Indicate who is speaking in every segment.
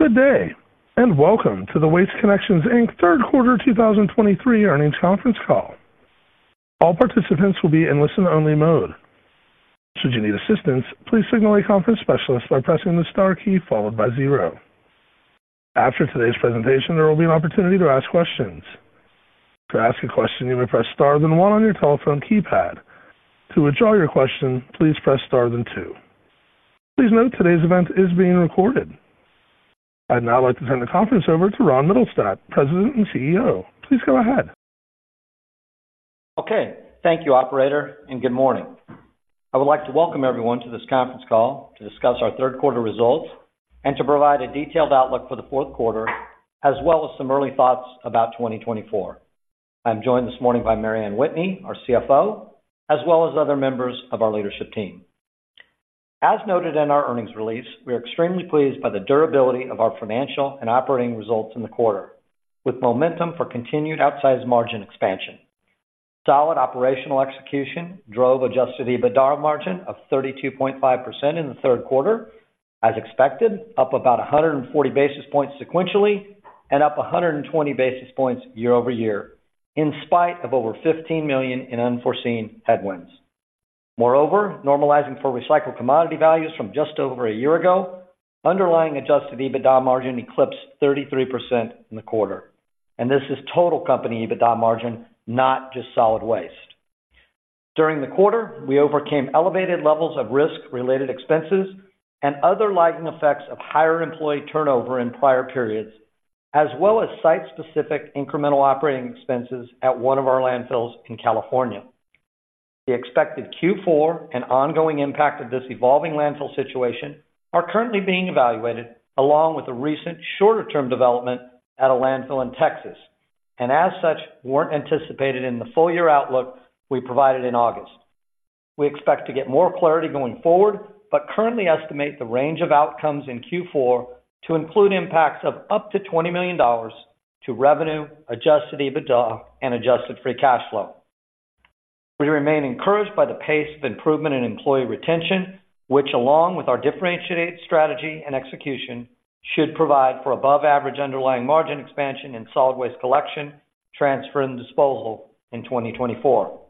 Speaker 1: Good day, and welcome to the Waste Connections, Inc. third quarter 2023 earnings conference call. All participants will be in listen-only mode. Should you need assistance, please signal a conference specialist by pressing the star key followed by zero. After today's presentation, there will be an opportunity to ask questions. To ask a question, you may press star, then one on your telephone keypad. To withdraw your question, please press star, then two. Please note, today's event is being recorded. I'd now like to turn the conference over to Ron Mittelstaedt, President and CEO. Please go ahead.
Speaker 2: Okay. Thank you, operator, and good morning. I would like to welcome everyone to this conference call to discuss our third quarter results and to provide a detailed outlook for the fourth quarter, as well as some early thoughts about 2024. I'm joined this morning by Mary Anne Whitney, our CFO, as well as other members of our leadership team. As noted in our earnings release, we are extremely pleased by the durability of our financial and operating results in the quarter, with momentum for continued outsized margin expansion. Solid operational execution drove Adjusted EBITDA margin of 32.5% in the third quarter, as expected, up about 140 basis points sequentially, and up 120 basis points year-over-year, in spite of over $15 million in unforeseen headwinds. Moreover, normalizing for recycled commodity values from just over a year ago, underlying Adjusted EBITDA margin eclipsed 33% in the quarter, and this is total company EBITDA margin, not just solid waste. During the quarter, we overcame elevated levels of risk-related expenses and other lagging effects of higher employee turnover in prior periods, as well as site-specific incremental operating expenses at one of our landfills in California. The expected Q4 and ongoing impact of this evolving landfill situation are currently being evaluated, along with a recent shorter-term development at a landfill in Texas, and as such, weren't anticipated in the full-year outlook we provided in August. We expect to get more clarity going forward, but currently estimate the range of outcomes in Q4 to include impacts of up to $20 million to revenue, Adjusted EBITDA, and Adjusted Free Cash Flow. We remain encouraged by the pace of improvement in employee retention, which, along with our differentiated strategy and execution, should provide for above-average underlying margin expansion in solid waste collection, transfer, and disposal in 2024.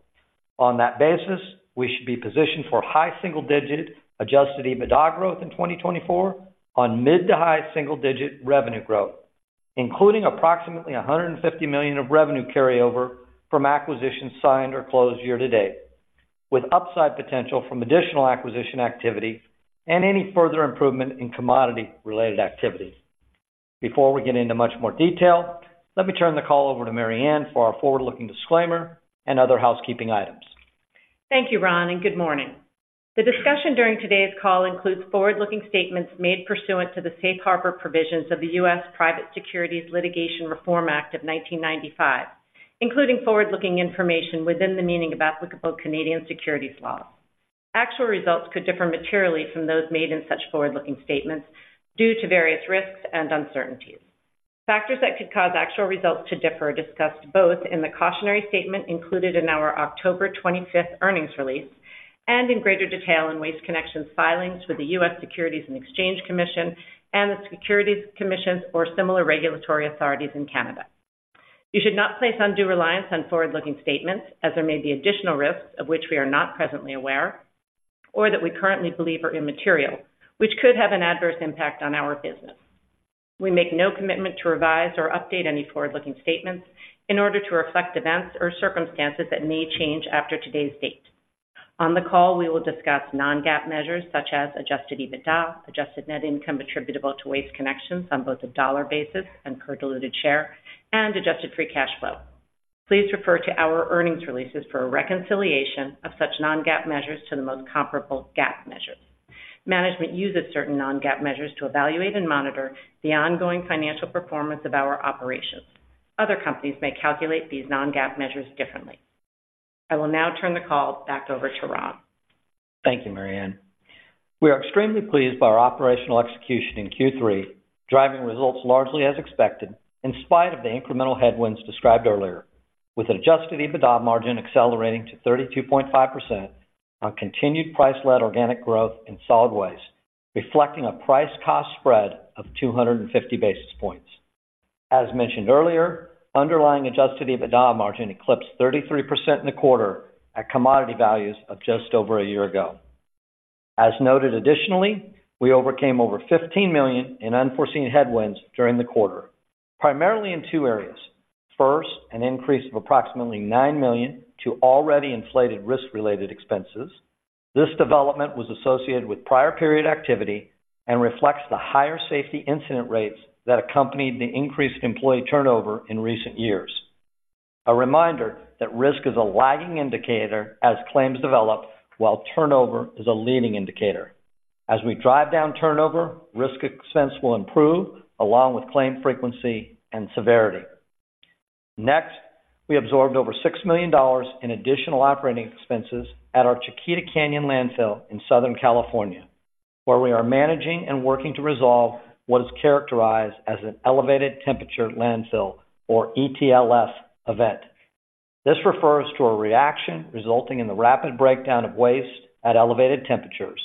Speaker 2: On that basis, we should be positioned for high single-digit Adjusted EBITDA growth in 2024 on mid- to high single-digit revenue growth, including approximately $150 million of revenue carryover from acquisitions signed or closed year to date, with upside potential from additional acquisition activity and any further improvement in commodity-related activities. Before we get into much more detail, let me turn the call over to Mary Anne for our forward-looking disclaimer and other housekeeping items.
Speaker 3: Thank you, Ron, and good morning. The discussion during today's call includes forward-looking statements made pursuant to the Safe Harbor Provisions of the U.S. Private Securities Litigation Reform Act of 1995, including forward-looking information within the meaning of applicable Canadian securities laws. Actual results could differ materially from those made in such forward-looking statements due to various risks and uncertainties. Factors that could cause actual results to differ are discussed both in the cautionary statement included in our October 25 earnings release and in greater detail in Waste Connections' filings with the U.S. Securities and Exchange Commission and the securities commissions or similar regulatory authorities in Canada. You should not place undue reliance on forward-looking statements, as there may be additional risks of which we are not presently aware or that we currently believe are immaterial, which could have an adverse impact on our business. We make no commitment to revise or update any forward-looking statements in order to reflect events or circumstances that may change after today's date. On the call, we will discuss non-GAAP measures such as Adjusted EBITDA, adjusted net income attributable to Waste Connections on both a dollar basis and per diluted share, and Adjusted Free Cash Flow. Please refer to our earnings releases for a reconciliation of such non-GAAP measures to the most comparable GAAP measures. Management uses certain non-GAAP measures to evaluate and monitor the ongoing financial performance of our operations. Other companies may calculate these non-GAAP measures differently. I will now turn the call back over to Ron.
Speaker 2: Thank you, Mary Anne. We are extremely pleased by our operational execution in Q3, driving results largely as expected, in spite of the incremental headwinds described earlier, with an adjusted EBITDA margin accelerating to 32.5% on continued price-led organic growth in solid waste, reflecting a price-cost spread of 250 basis points. As mentioned earlier, underlying adjusted EBITDA margin eclipsed 33% in the quarter at commodity values of just over a year ago. As noted additionally, we overcame over $15 million in unforeseen headwinds during the quarter, primarily in two areas. First, an increase of approximately $9 million to already inflated risk-related expenses. This development was associated with prior period activity and reflects the higher safety incident rates that accompanied the increased employee turnover in recent years. A reminder that risk is a lagging indicator as claims develop, while turnover is a leading indicator. As we drive down turnover, risk expense will improve, along with claim frequency and severity. Next, we absorbed over $6 million in additional operating expenses at our Chiquita Canyon Landfill in Southern California, where we are managing and working to resolve what is characterized as an Elevated Temperature Landfill or ETLF event. This refers to a reaction resulting in the rapid breakdown of waste at elevated temperatures,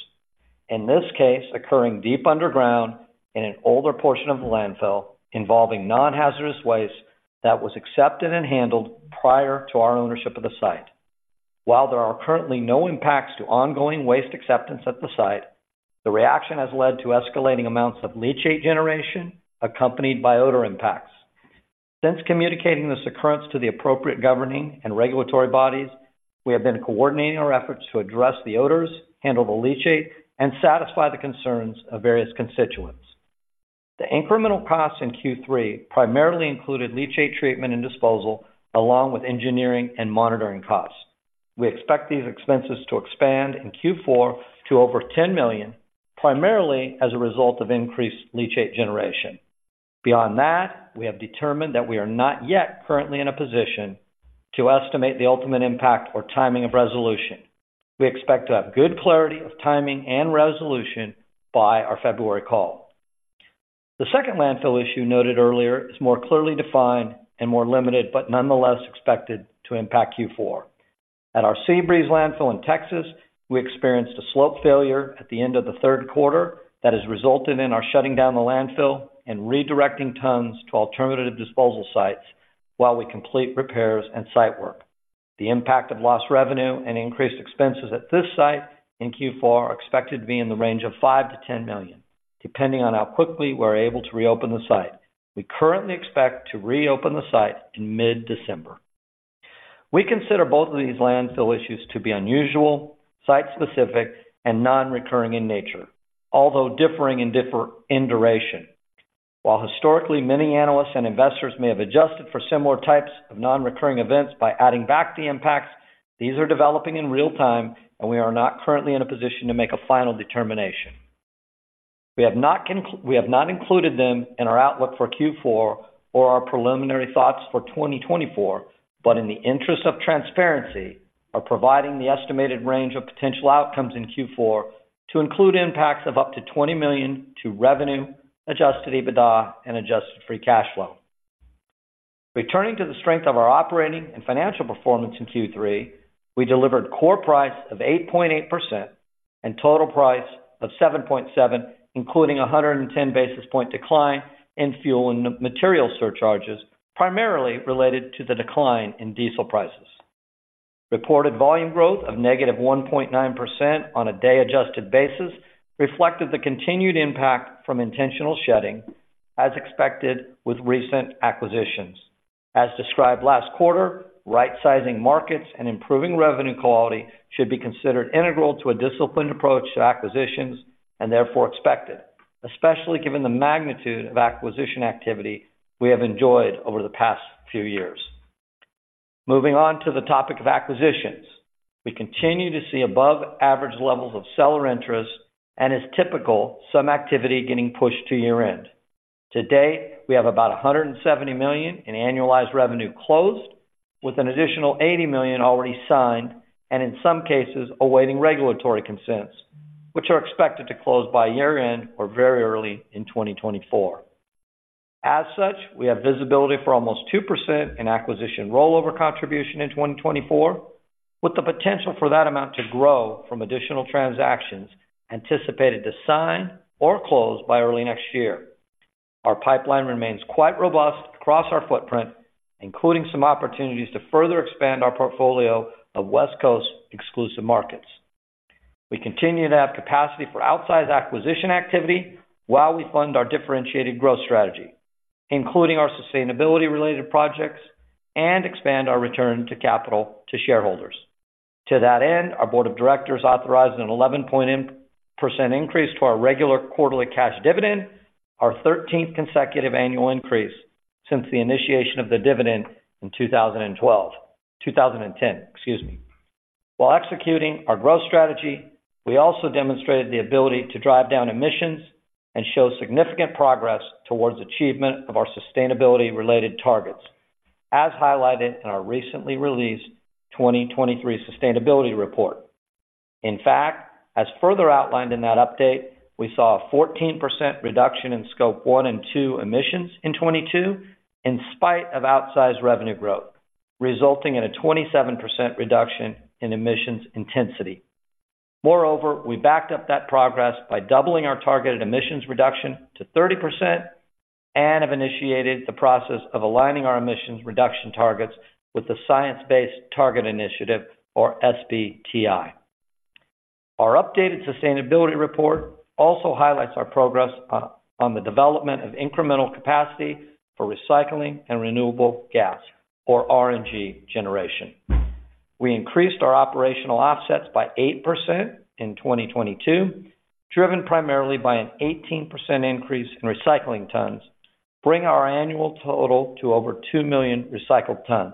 Speaker 2: in this case, occurring deep underground in an older portion of the landfill, involving non-hazardous waste that was accepted and handled prior to our ownership of the site. While there are currently no impacts to ongoing waste acceptance at the site, the reaction has led to escalating amounts of leachate generation, accompanied by odor impacts. Since communicating this occurrence to the appropriate governing and regulatory bodies, we have been coordinating our efforts to address the odors, handle the leachate, and satisfy the concerns of various constituents. The incremental costs in Q3 primarily included leachate treatment and disposal, along with engineering and monitoring costs. We expect these expenses to expand in Q4 to over $10 million, primarily as a result of increased leachate generation. Beyond that, we have determined that we are not yet currently in a position to estimate the ultimate impact or timing of resolution. We expect to have good clarity of timing and resolution by our February call. The second landfill issue noted earlier is more clearly defined and more limited, but nonetheless expected to impact Q4. At our Sea Breeze Landfill in Texas, we experienced a slope failure at the end of the third quarter that has resulted in our shutting down the landfill and redirecting tons to alternative disposal sites while we complete repairs and site work. The impact of lost revenue and increased expenses at this site in Q4 are expected to be in the range of $5 million-$10 million, depending on how quickly we're able to reopen the site. We currently expect to reopen the site in mid-December. We consider both of these landfill issues to be unusual, site-specific, and non-recurring in nature, although differing in duration. While historically, many analysts and investors may have adjusted for similar types of non-recurring events by adding back the impacts, these are developing in real time, and we are not currently in a position to make a final determination. We have not included them in our outlook for Q4 or our preliminary thoughts for 2024, but in the interest of transparency, are providing the estimated range of potential outcomes in Q4 to include impacts of up to $20 million to revenue, adjusted EBITDA, and adjusted free cash flow. Returning to the strength of our operating and financial performance in Q3, we delivered core price of 8.8% and total price of 7.7%, including a 110 basis point decline in fuel and material surcharges, primarily related to the decline in diesel prices. Reported volume growth of -1.9% on a day-adjusted basis reflected the continued impact from intentional shedding, as expected with recent acquisitions. As described last quarter, right-sizing markets and improving revenue quality should be considered integral to a disciplined approach to acquisitions and therefore expected, especially given the magnitude of acquisition activity we have enjoyed over the past few years. Moving on to the topic of acquisitions. We continue to see above average levels of seller interest, and as typical, some activity getting pushed to year-end. To date, we have about $170 million in annualized revenue closed, with an additional $80 million already signed, and in some cases, awaiting regulatory consents, which are expected to close by year-end or very early in 2024. As such, we have visibility for almost 2% in acquisition rollover contribution in 2024, with the potential for that amount to grow from additional transactions anticipated to sign or close by early next year. Our pipeline remains quite robust across our footprint, including some opportunities to further expand our portfolio of West Coast exclusive markets. We continue to have capacity for outsized acquisition activity while we fund our differentiated growth strategy, including our sustainability-related projects, and expand our return to capital to shareholders. To that end, our board of directors authorized an 11% increase to our regular quarterly cash dividend, our 13th consecutive annual increase since the initiation of the dividend in 2012... 2010, excuse me. While executing our growth strategy, we also demonstrated the ability to drive down emissions and show significant progress towards achievement of our sustainability-related targets, as highlighted in our recently released 2023 sustainability report. In fact, as further outlined in that update, we saw a 14% reduction in Scope 1 and 2 emissions in 2022, in spite of outsized revenue growth, resulting in a 27% reduction in emissions intensity. Moreover, we backed up that progress by doubling our targeted emissions reduction to 30%, and have initiated the process of aligning our emissions reduction targets with the Science Based Targets Initiative, or SBTi. Our updated sustainability report also highlights our progress on the development of incremental capacity for recycling and renewable gas, or RNG generation. We increased our operational offsets by 8% in 2022, driven primarily by an 18% increase in recycling tons, bringing our annual total to over 2 million recycled tons.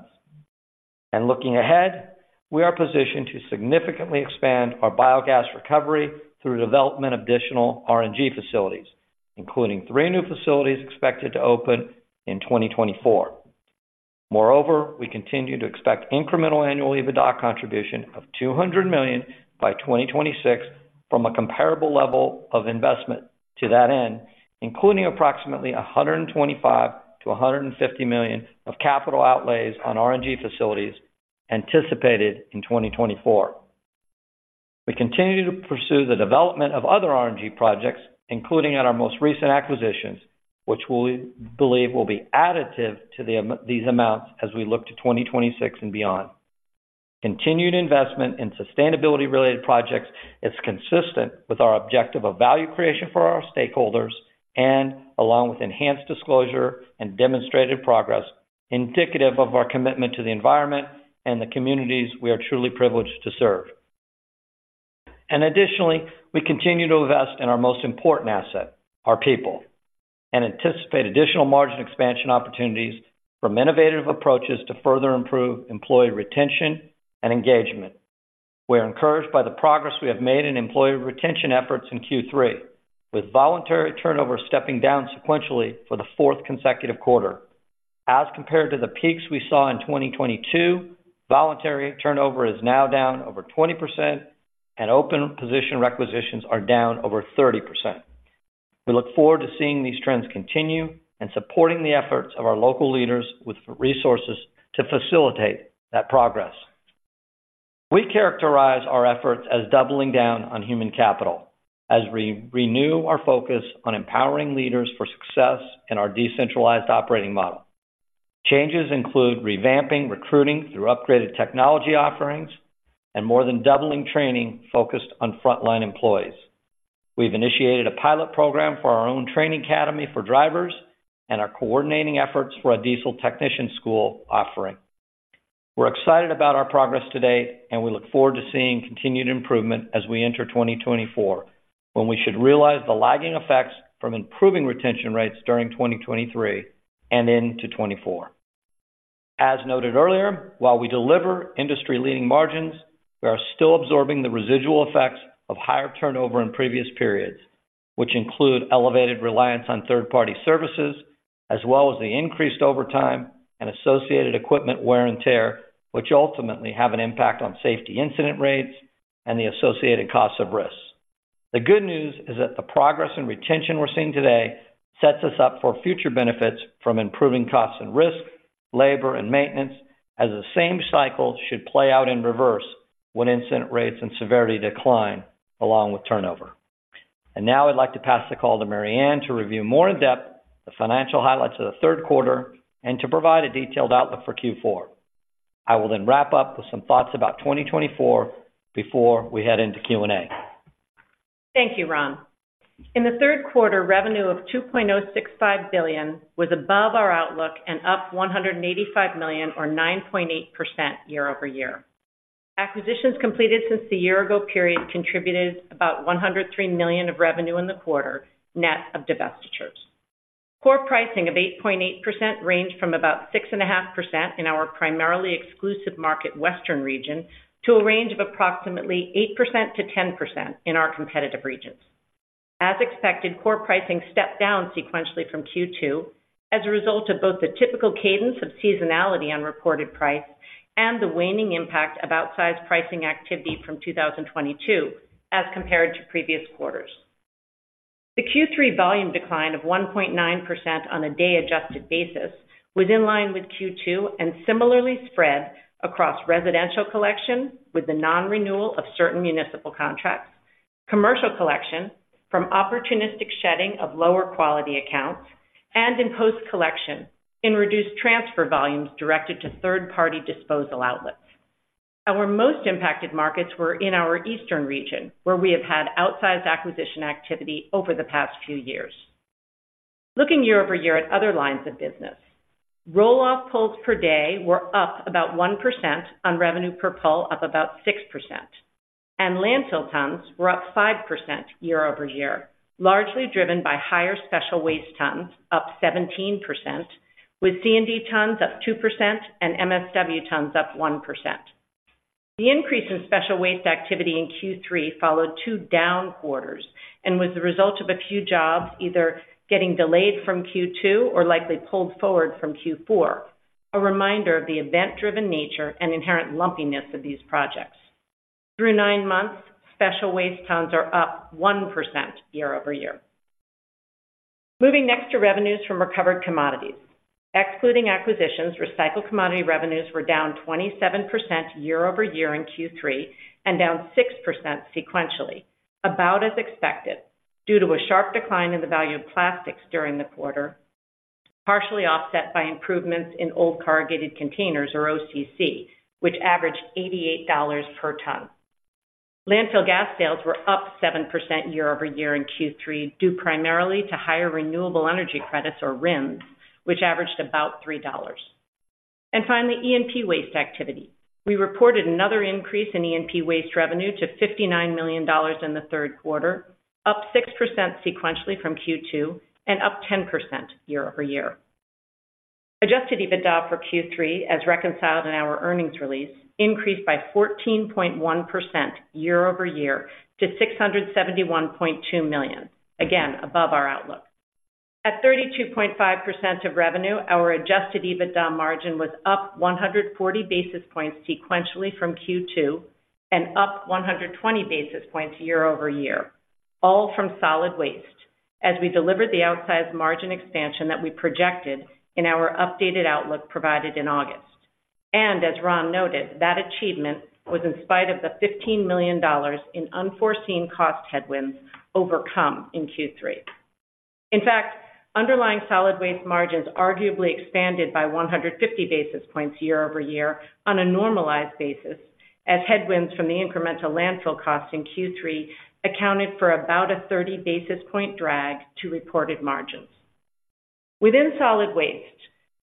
Speaker 2: Looking ahead, we are positioned to significantly expand our biogas recovery through the development of additional RNG facilities, including three new facilities expected to open in 2024. Moreover, we continue to expect incremental annual EBITDA contribution of $200 million by 2026 from a comparable level of investment. To that end, including approximately $125 million-$150 million of capital outlays on RNG facilities anticipated in 2024. We continue to pursue the development of other RNG projects, including at our most recent acquisitions, which we believe will be additive to these amounts as we look to 2026 and beyond. Continued investment in sustainability-related projects is consistent with our objective of value creation for our stakeholders, and along with enhanced disclosure and demonstrated progress, indicative of our commitment to the environment and the communities we are truly privileged to serve. Additionally, we continue to invest in our most important asset, our people, and anticipate additional margin expansion opportunities from innovative approaches to further improve employee retention and engagement. We are encouraged by the progress we have made in employee retention efforts in Q3, with voluntary turnover stepping down sequentially for the fourth consecutive quarter. As compared to the peaks we saw in 2022, voluntary turnover is now down over 20%, and open position requisitions are down over 30%. We look forward to seeing these trends continue and supporting the efforts of our local leaders with resources to facilitate that progress. We characterize our efforts as doubling down on human capital as we renew our focus on empowering leaders for success in our decentralized operating model. Changes include revamping recruiting through upgraded technology offerings and more than doubling training focused on frontline employees. We've initiated a pilot program for our own training academy for drivers and are coordinating efforts for a diesel technician school offering. We're excited about our progress today, and we look forward to seeing continued improvement as we enter 2024, when we should realize the lagging effects from improving retention rates during 2023 and into 2024. As noted earlier, while we deliver industry-leading margins, we are still absorbing the residual effects of higher turnover in previous periods, which include elevated reliance on third-party services, as well as the increased overtime and associated equipment wear and tear, which ultimately have an impact on safety incident rates and the associated costs of risks. The good news is that the progress in retention we're seeing today sets us up for future benefits from improving costs and risk, labor, and maintenance, as the same cycle should play out in reverse when incident rates and severity decline, along with turnover. Now I'd like to pass the call to Mary Anne to review more in depth the financial highlights of the third quarter and to provide a detailed outlook for Q4. I will then wrap up with some thoughts about 2024 before we head into Q&A.
Speaker 3: Thank you, Ron. In the third quarter, revenue of $2.065 billion was above our outlook and up $185 million, or 9.8% year-over-year. Acquisitions completed since the year-ago period contributed about $103 million of revenue in the quarter, net of divestitures. Core pricing of 8.8% ranged from about 6.5% in our primarily exclusive market Western region, to a range of approximately 8%-10% in our competitive regions. As expected, core pricing stepped down sequentially from Q2 as a result of both the typical cadence of seasonality on reported price and the waning impact of outsized pricing activity from 2022, as compared to previous quarters. The Q3 volume decline of 1.9% on a day-adjusted basis was in line with Q2 and similarly spread across residential collection with the non-renewal of certain municipal contracts, commercial collection from opportunistic shedding of lower quality accounts, and in post-collection in reduced transfer volumes directed to third-party disposal outlets. Our most impacted markets were in our Eastern region, where we have had outsized acquisition activity over the past few years. Looking year-over-year at other lines of business, roll-off pulls per day were up about 1% on revenue per pull, up about 6%, and landfill tons were up 5% year-over-year, largely driven by higher special waste tons, up 17%, with C&D tons up 2% and MSW tons up 1%. The increase in special waste activity in Q3 followed two down quarters and was the result of a few jobs either getting delayed from Q2 or likely pulled forward from Q4, a reminder of the event-driven nature and inherent lumpiness of these projects. Through 9 months, special waste tons are up 1% year-over-year. Moving next to revenues from recovered commodities. Excluding acquisitions, recycled commodity revenues were down 27% year-over-year in Q3 and down 6% sequentially, about as expected, due to a sharp decline in the value of plastics during the quarter, partially offset by improvements in old corrugated containers, or OCC, which averaged $88 per ton. Landfill gas sales were up 7% year-over-year in Q3, due primarily to higher renewable energy credits, or RINs, which averaged about $3. And finally, E&P waste activity. We reported another increase in E&P waste revenue to $59 million in the third quarter, up 6% sequentially from Q2 and up 10% year-over-year. Adjusted EBITDA for Q3, as reconciled in our earnings release, increased by 14.1% year-over-year to $671.2 million, again, above our outlook. At 32.5% of revenue, our adjusted EBITDA margin was up 140 basis points sequentially from Q2 and up 120 basis points year-over-year.... all from solid waste, as we delivered the outsized margin expansion that we projected in our updated outlook provided in August. And as Ron noted, that achievement was in spite of the $15 million in unforeseen cost headwinds overcome in Q3. In fact, underlying solid waste margins arguably expanded by 150 basis points year-over-year on a normalized basis, as headwinds from the incremental landfill costs in Q3 accounted for about a 30 basis point drag to reported margins. Within solid waste,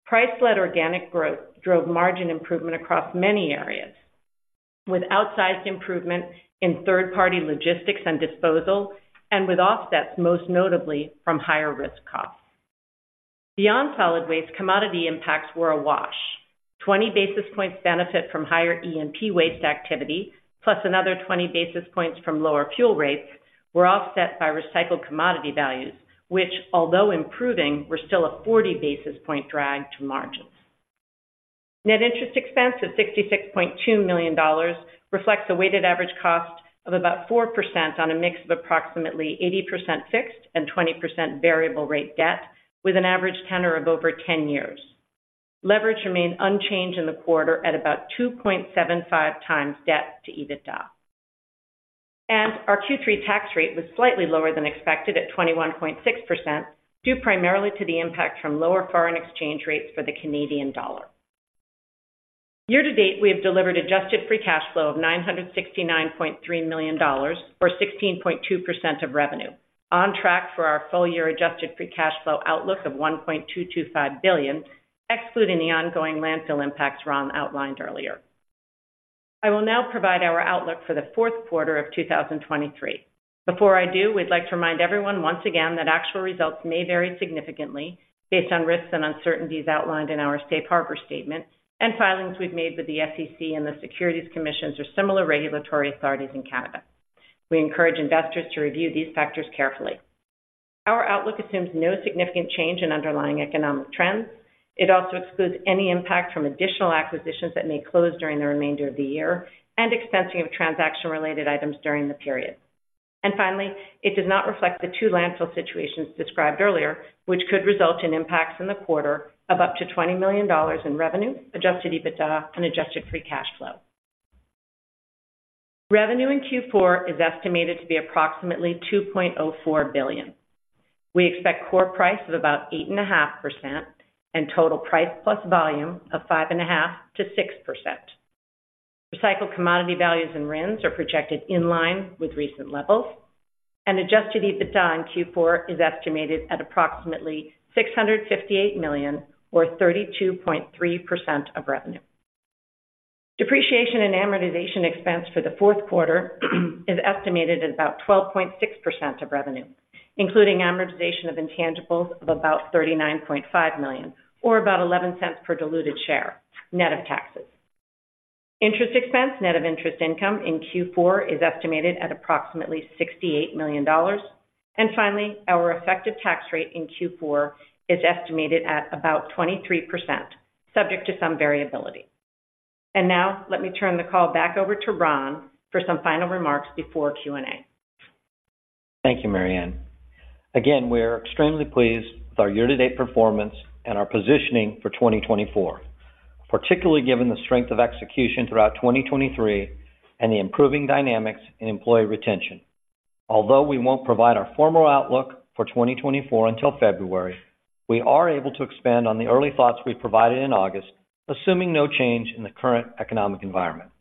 Speaker 3: price-led organic growth drove margin improvement across many areas, with outsized improvement in third-party logistics and disposal, and with offsets, most notably from higher risk costs. Beyond solid waste, commodity impacts were a wash. 20 basis points benefit from higher E&P waste activity, plus another 20 basis points from lower fuel rates were offset by recycled commodity values, which, although improving, were still a 40 basis point drag to margins. Net interest expense of $66.2 million reflects a weighted average cost of about 4% on a mix of approximately 80% fixed and 20% variable rate debt, with an average tenor of over 10 years. Leverage remained unchanged in the quarter at about 2.75x debt to EBITDA. Our Q3 tax rate was slightly lower than expected at 21.6%, due primarily to the impact from lower foreign exchange rates for the Canadian dollar. Year to date, we have delivered adjusted free cash flow of $969.3 million, or 16.2% of revenue, on track for our full year adjusted free cash flow outlook of $1.225 billion, excluding the ongoing landfill impacts Ron outlined earlier. I will now provide our outlook for the fourth quarter of 2023. Before I do, we'd like to remind everyone once again that actual results may vary significantly based on risks and uncertainties outlined in our safe harbor statement and filings we've made with the SEC and the securities commissions or similar regulatory authorities in Canada. We encourage investors to review these factors carefully. Our outlook assumes no significant change in underlying economic trends. It also excludes any impact from additional acquisitions that may close during the remainder of the year, and expensing of transaction-related items during the period. And finally, it does not reflect the two landfill situations described earlier, which could result in impacts in the quarter of up to $20 million in revenue, Adjusted EBITDA and Adjusted Free Cash Flow. Revenue in Q4 is estimated to be approximately $2.04 billion. We expect core price of about 8.5% and total price plus volume of 5.5%-6%. Recycled commodity values and RINs are projected in line with recent levels, and adjusted EBITDA in Q4 is estimated at approximately $658 million or 32.3% of revenue. Depreciation and amortization expense for the fourth quarter is estimated at about 12.6% of revenue, including amortization of intangibles of about $39.5 million, or about $0.11 per diluted share, net of taxes. Interest expense, net of interest income in Q4 is estimated at approximately $68 million. And finally, our effective tax rate in Q4 is estimated at about 23%, subject to some variability. And now, let me turn the call back over to Ron for some final remarks before Q&A.
Speaker 2: Thank you, Mary Anne. Again, we are extremely pleased with our year-to-date performance and our positioning for 2024, particularly given the strength of execution throughout 2023 and the improving dynamics in employee retention. Although we won't provide our formal outlook for 2024 until February, we are able to expand on the early thoughts we provided in August, assuming no change in the current economic environment.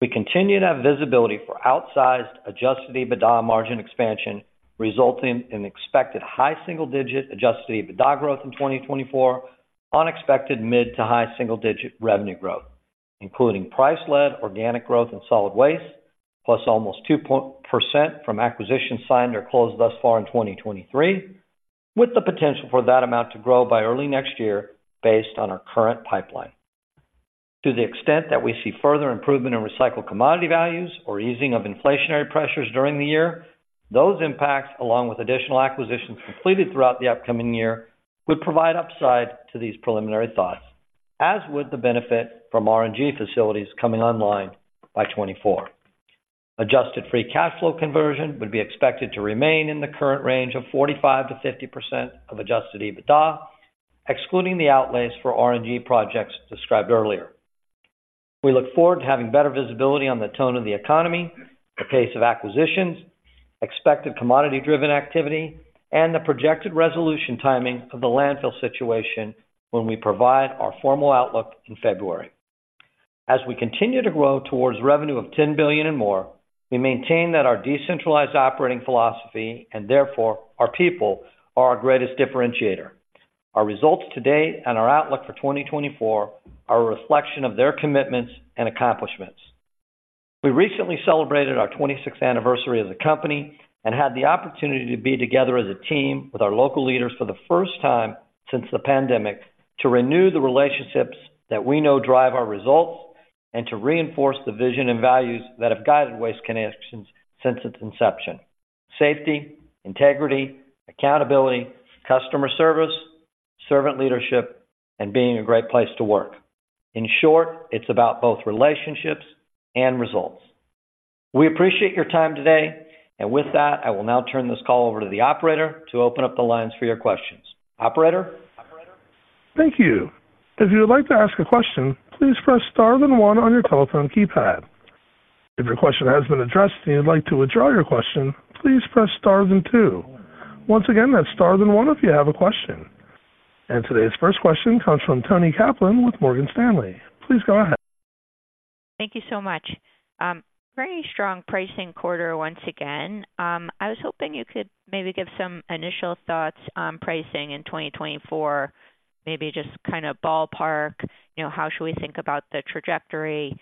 Speaker 2: We continue to have visibility for outsized, adjusted EBITDA margin expansion, resulting in expected high single digit adjusted EBITDA growth in 2024, unexpected mid- to high-single-digit revenue growth, including price-led organic growth in solid waste, plus almost 2% from acquisitions signed or closed thus far in 2023, with the potential for that amount to grow by early next year based on our current pipeline. To the extent that we see further improvement in recycled commodity values or easing of inflationary pressures during the year, those impacts, along with additional acquisitions completed throughout the upcoming year, would provide upside to these preliminary thoughts, as would the benefit from RNG facilities coming online by 2024. Adjusted Free Cash Flow conversion would be expected to remain in the current range of 45%-50% of Adjusted EBITDA, excluding the outlays for RNG projects described earlier. We look forward to having better visibility on the tone of the economy, the pace of acquisitions, expected commodity-driven activity, and the projected resolution timing of the landfill situation when we provide our formal outlook in February. As we continue to grow towards revenue of $10 billion and more, we maintain that our decentralized operating philosophy, and therefore our people, are our greatest differentiator. Our results to date and our outlook for 2024 are a reflection of their commitments and accomplishments. We recently celebrated our 26th anniversary as a company and had the opportunity to be together as a team with our local leaders for the first time since the pandemic, to renew the relationships that we know drive our results, and to reinforce the vision and values that have guided Waste Connections since its inception. Safety, integrity, accountability, customer service, servant leadership, and being a great place to work. In short, it's about both relationships and results. We appreciate your time today, and with that, I will now turn this call over to the operator to open up the lines for your questions. Operator?
Speaker 1: Thank you. If you would like to ask a question, please press star then one on your telephone keypad. If your question has been addressed and you'd like to withdraw your question, please press star then two. Once again, that's star then one if you have a question. Today's first question comes from Toni Kaplan with Morgan Stanley. Please go ahead.
Speaker 4: Thank you so much. Very strong pricing quarter once again. I was hoping you could maybe give some initial thoughts on pricing in 2024. Maybe just kind of ballpark, you know, how should we think about the trajectory?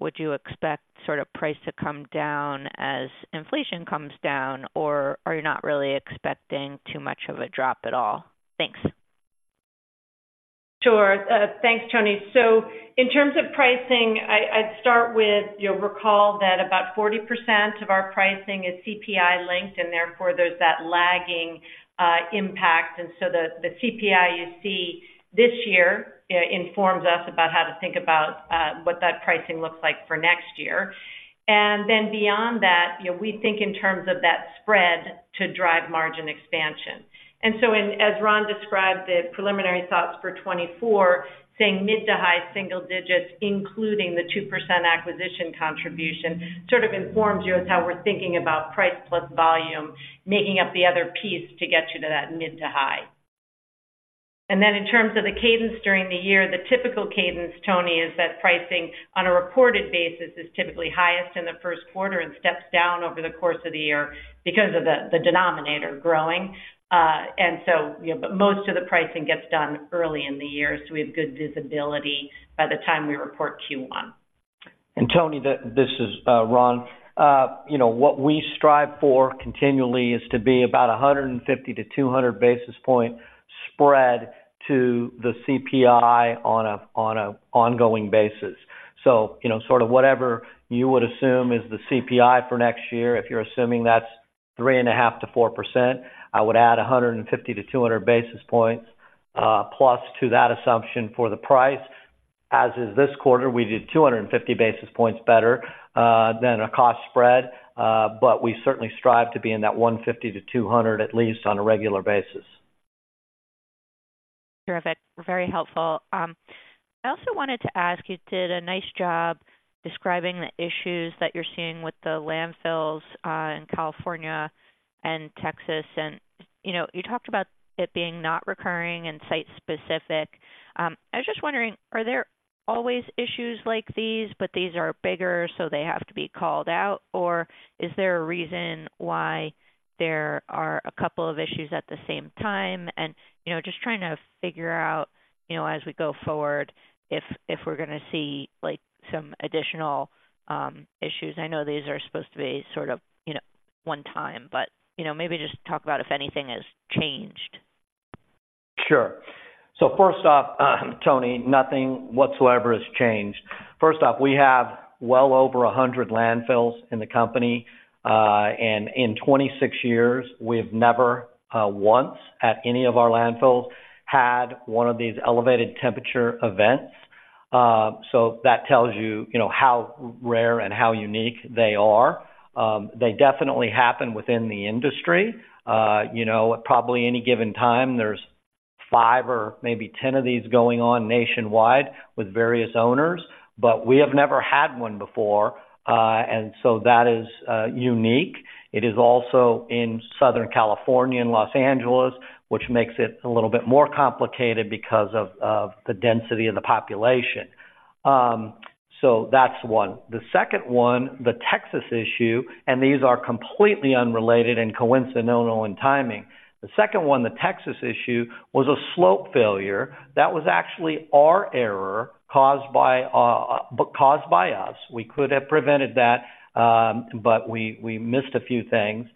Speaker 4: Would you expect sort of price to come down as inflation comes down, or are you not really expecting too much of a drop at all? Thanks.
Speaker 3: Sure. Thanks, Toni. So in terms of pricing, I'd start with, you'll recall that about 40% of our pricing is CPI linked, and therefore there's that lagging impact. And so the CPI you see this year informs us about how to think about what that pricing looks like for next year. And then beyond that, you know, we think in terms of that spread to drive margin expansion. And so as Ron described, the preliminary thoughts for 2024, saying mid- to high-single digits, including the 2% acquisition contribution, sort of informs you as how we're thinking about price plus volume, making up the other piece to get you to that mid- to high. And then in terms of the cadence during the year, the typical cadence, Toni, is that pricing on a reported basis is typically highest in the first quarter and steps down over the course of the year because of the denominator growing. And so, you know, but most of the pricing gets done early in the year, so we have good visibility by the time we report Q1.
Speaker 2: Toni, this is Ron. You know, what we strive for continually is to be about a 150-200 basis point spread to the CPI on a ongoing basis. So, you know, sort of whatever you would assume is the CPI for next year, if you're assuming that's 3.5%-4%, I would add 150-200 basis points, plus, to that assumption for the price. As is this quarter, we did 250 basis points better than a cost spread, but we certainly strive to be in that 150-200 at least on a regular basis.
Speaker 4: Terrific. Very helpful. I also wanted to ask, you did a nice job describing the issues that you're seeing with the landfills in California and Texas, and, you know, you talked about it being not recurring and site-specific. I was just wondering, are there always issues like these, but these are bigger, so they have to be called out, or is there a reason why there are a couple of issues at the same time? And, you know, just trying to figure out, you know, as we go forward, if, if we're gonna see, like, some additional issues. I know these are supposed to be sort of, you know, one time, but, you know, maybe just talk about if anything has changed.
Speaker 2: Sure. So first off, Toni, nothing whatsoever has changed. First off, we have well over 100 landfills in the company, and in 26 years, we've never once at any of our landfills had one of these elevated temperature events. So that tells you, you know, how rare and how unique they are. They definitely happen within the industry. You know, at probably any given time, there's 5 or maybe 10 of these going on nationwide with various owners, but we have never had one before, and so that is unique. It is also in Southern California and Los Angeles, which makes it a little bit more complicated because of the density of the population. So that's one. The second one, the Texas issue, and these are completely unrelated and coincidental in timing. The second one, the Texas issue, was a slope failure. That was actually our error, caused by us. We could have prevented that, but we missed a few things.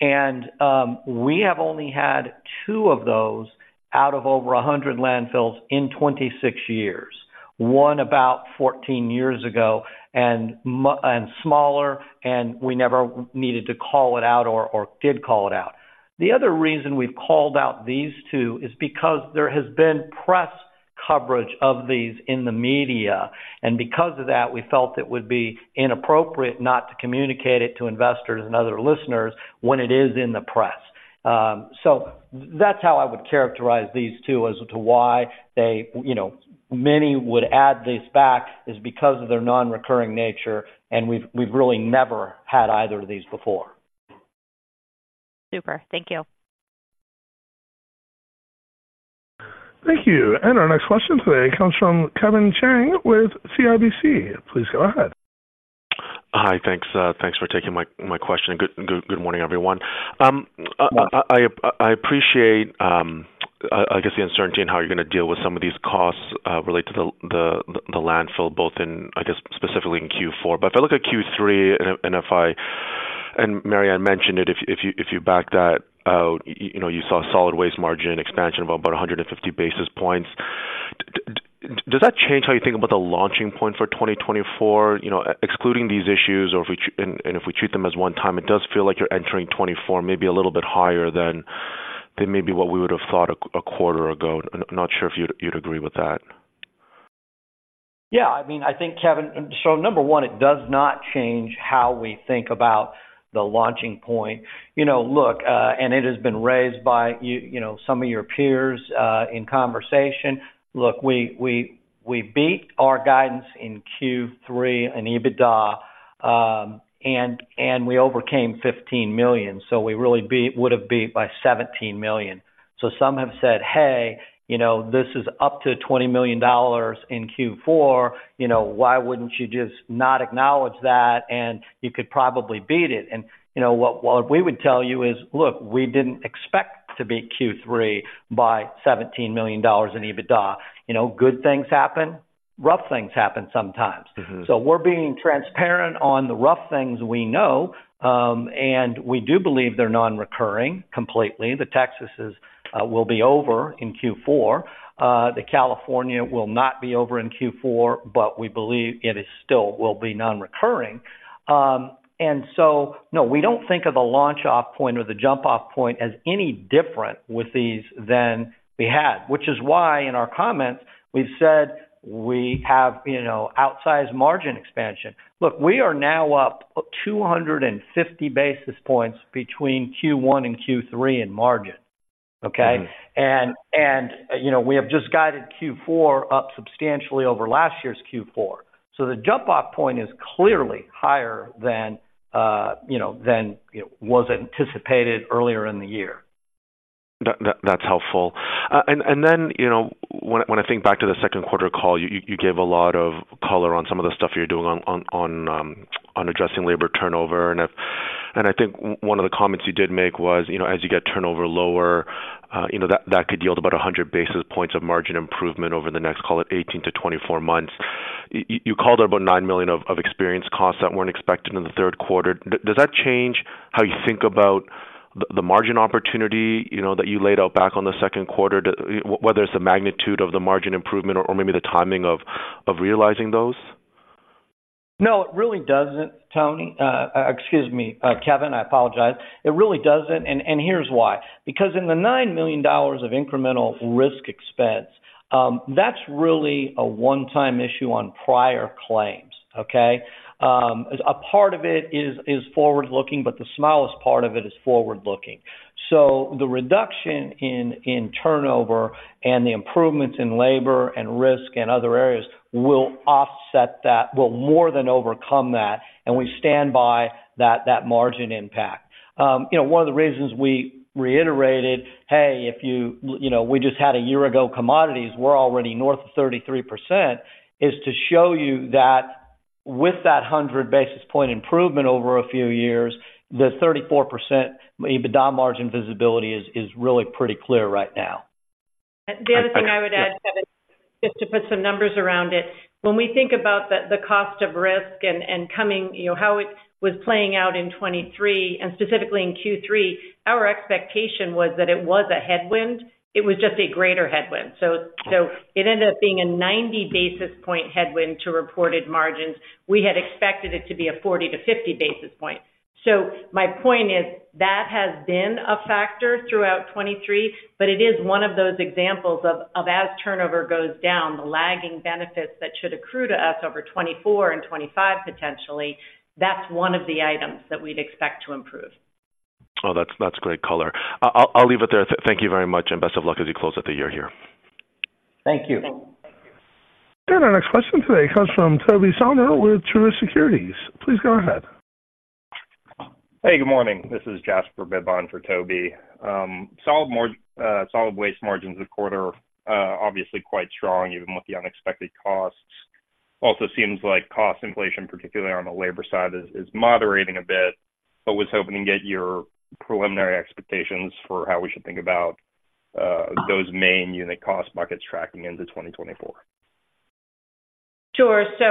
Speaker 2: We have only had two of those out of over 100 landfills in 26 years. One about 14 years ago and smaller, and we never needed to call it out or did call it out. The other reason we've called out these two is because there has been press coverage of these in the media, and because of that, we felt it would be inappropriate not to communicate it to investors and other listeners when it is in the press. So that's how I would characterize these two as to why they, you know, many would add these back, is because of their non-recurring nature, and we've really never had either of these before.
Speaker 4: Super. Thank you.
Speaker 1: Thank you. Our next question today comes from Kevin Chiang with CIBC. Please go ahead.
Speaker 5: Hi, thanks. Thanks for taking my question. Good morning, everyone. I appreciate, I guess, the uncertainty in how you're gonna deal with some of these costs related to the landfill, both in, I guess, specifically in Q4. But if I look at Q3 and if Mary Ann mentioned it, if you back that out, you know, you saw a solid waste margin expansion of about 150 basis points. Does that change how you think about the launching point for 2024? You know, excluding these issues, or if we treat them as one time, it does feel like you're entering 2024, maybe a little bit higher than maybe what we would have thought a quarter ago. I'm not sure if you'd agree with that.
Speaker 2: Yeah, I mean, I think, Kevin, so number one, it does not change how we think about the launching point. You know, look, and it has been raised by you, you know, some of your peers, in conversation. Look, we beat our guidance in Q3 and EBITDA, and we overcame $15 million, so we really beat—would have beat by $17 million. So some have said, "Hey, you know, this is up to $20 million in Q4, you know, why wouldn't you just not acknowledge that, and you could probably beat it?" And, you know, what we would tell you is, look, we didn't expect to beat Q3 by $17 million in EBITDA. You know, good things happen, rough things happen sometimes.
Speaker 5: Mm-hmm.
Speaker 2: So we're being transparent on the rough things we know, and we do believe they're non-recurring completely. The Texas will be over in Q4. The California will not be over in Q4, but we believe it is still will be non-recurring. And so, no, we don't think of the launch off point or the jump off point as any different with these than we had, which is why, in our comments, we've said we have, you know, outsized margin expansion. Look, we are now up 250 basis points between Q1 and Q3 in margin, okay?
Speaker 5: Mm-hmm.
Speaker 2: You know, we have just guided Q4 up substantially over last year's Q4. So the jump off point is clearly higher than, you know, than was anticipated earlier in the year.
Speaker 5: That's helpful. And then, you know, when I think back to the second quarter call, you gave a lot of color on some of the stuff you're doing on addressing labor turnover. And I think one of the comments you did make was, you know, as you get turnover lower, you know, that could yield about 100 basis points of margin improvement over the next, call it 18-24 months. You called out about $9 million of expense costs that weren't expected in the third quarter. Does that change how you think about the margin opportunity, you know, that you laid out back on the second quarter, whether it's the magnitude of the margin improvement or maybe the timing of realizing those?
Speaker 2: No, it really doesn't, Toni. Excuse me, Kevin, I apologize. It really doesn't, and here's why. Because in the $9 million of incremental risk expense, that's really a one-time issue on prior claims, okay? A part of it is forward-looking, but the smallest part of it is forward-looking. So the reduction in turnover and the improvements in labor and risk and other areas will offset that, will more than overcome that, and we stand by that margin impact. You know, one of the reasons we reiterated, hey, if you... You know, we just had a year ago commodities, we're already north of 33%, is to show you that with that 100 basis point improvement over a few years, the 34% EBITDA margin visibility is really pretty clear right now.
Speaker 3: The other thing I would add, Kevin, just to put some numbers around it. When we think about the cost of risk and coming, you know, how it was playing out in 2023 and specifically in Q3, our expectation was that it was a headwind. It was just a greater headwind. So, it ended up being a 90 basis point headwind to reported margins. We had expected it to be a 40-50 basis point. So my point is, that has been a factor throughout 2023, but it is one of those examples of as turnover goes down, the lagging benefits that should accrue to us over 2024 and 2025, potentially, that's one of the items that we'd expect to improve.
Speaker 5: Oh, that's great color. I'll leave it there. Thank you very much, and best of luck as you close out the year here.
Speaker 2: Thank you.
Speaker 1: Our next question today comes from Tobey Sommer with Truist Securities. Please go ahead.
Speaker 6: Hey, good morning. This is Jasper Bibb for Tobey. Solid waste margins this quarter are obviously quite strong, even with the unexpected costs. Also seems like cost inflation, particularly on the labor side, is moderating a bit, but was hoping to get your preliminary expectations for how we should think about those main unit cost markets tracking into 2024.
Speaker 3: Sure. So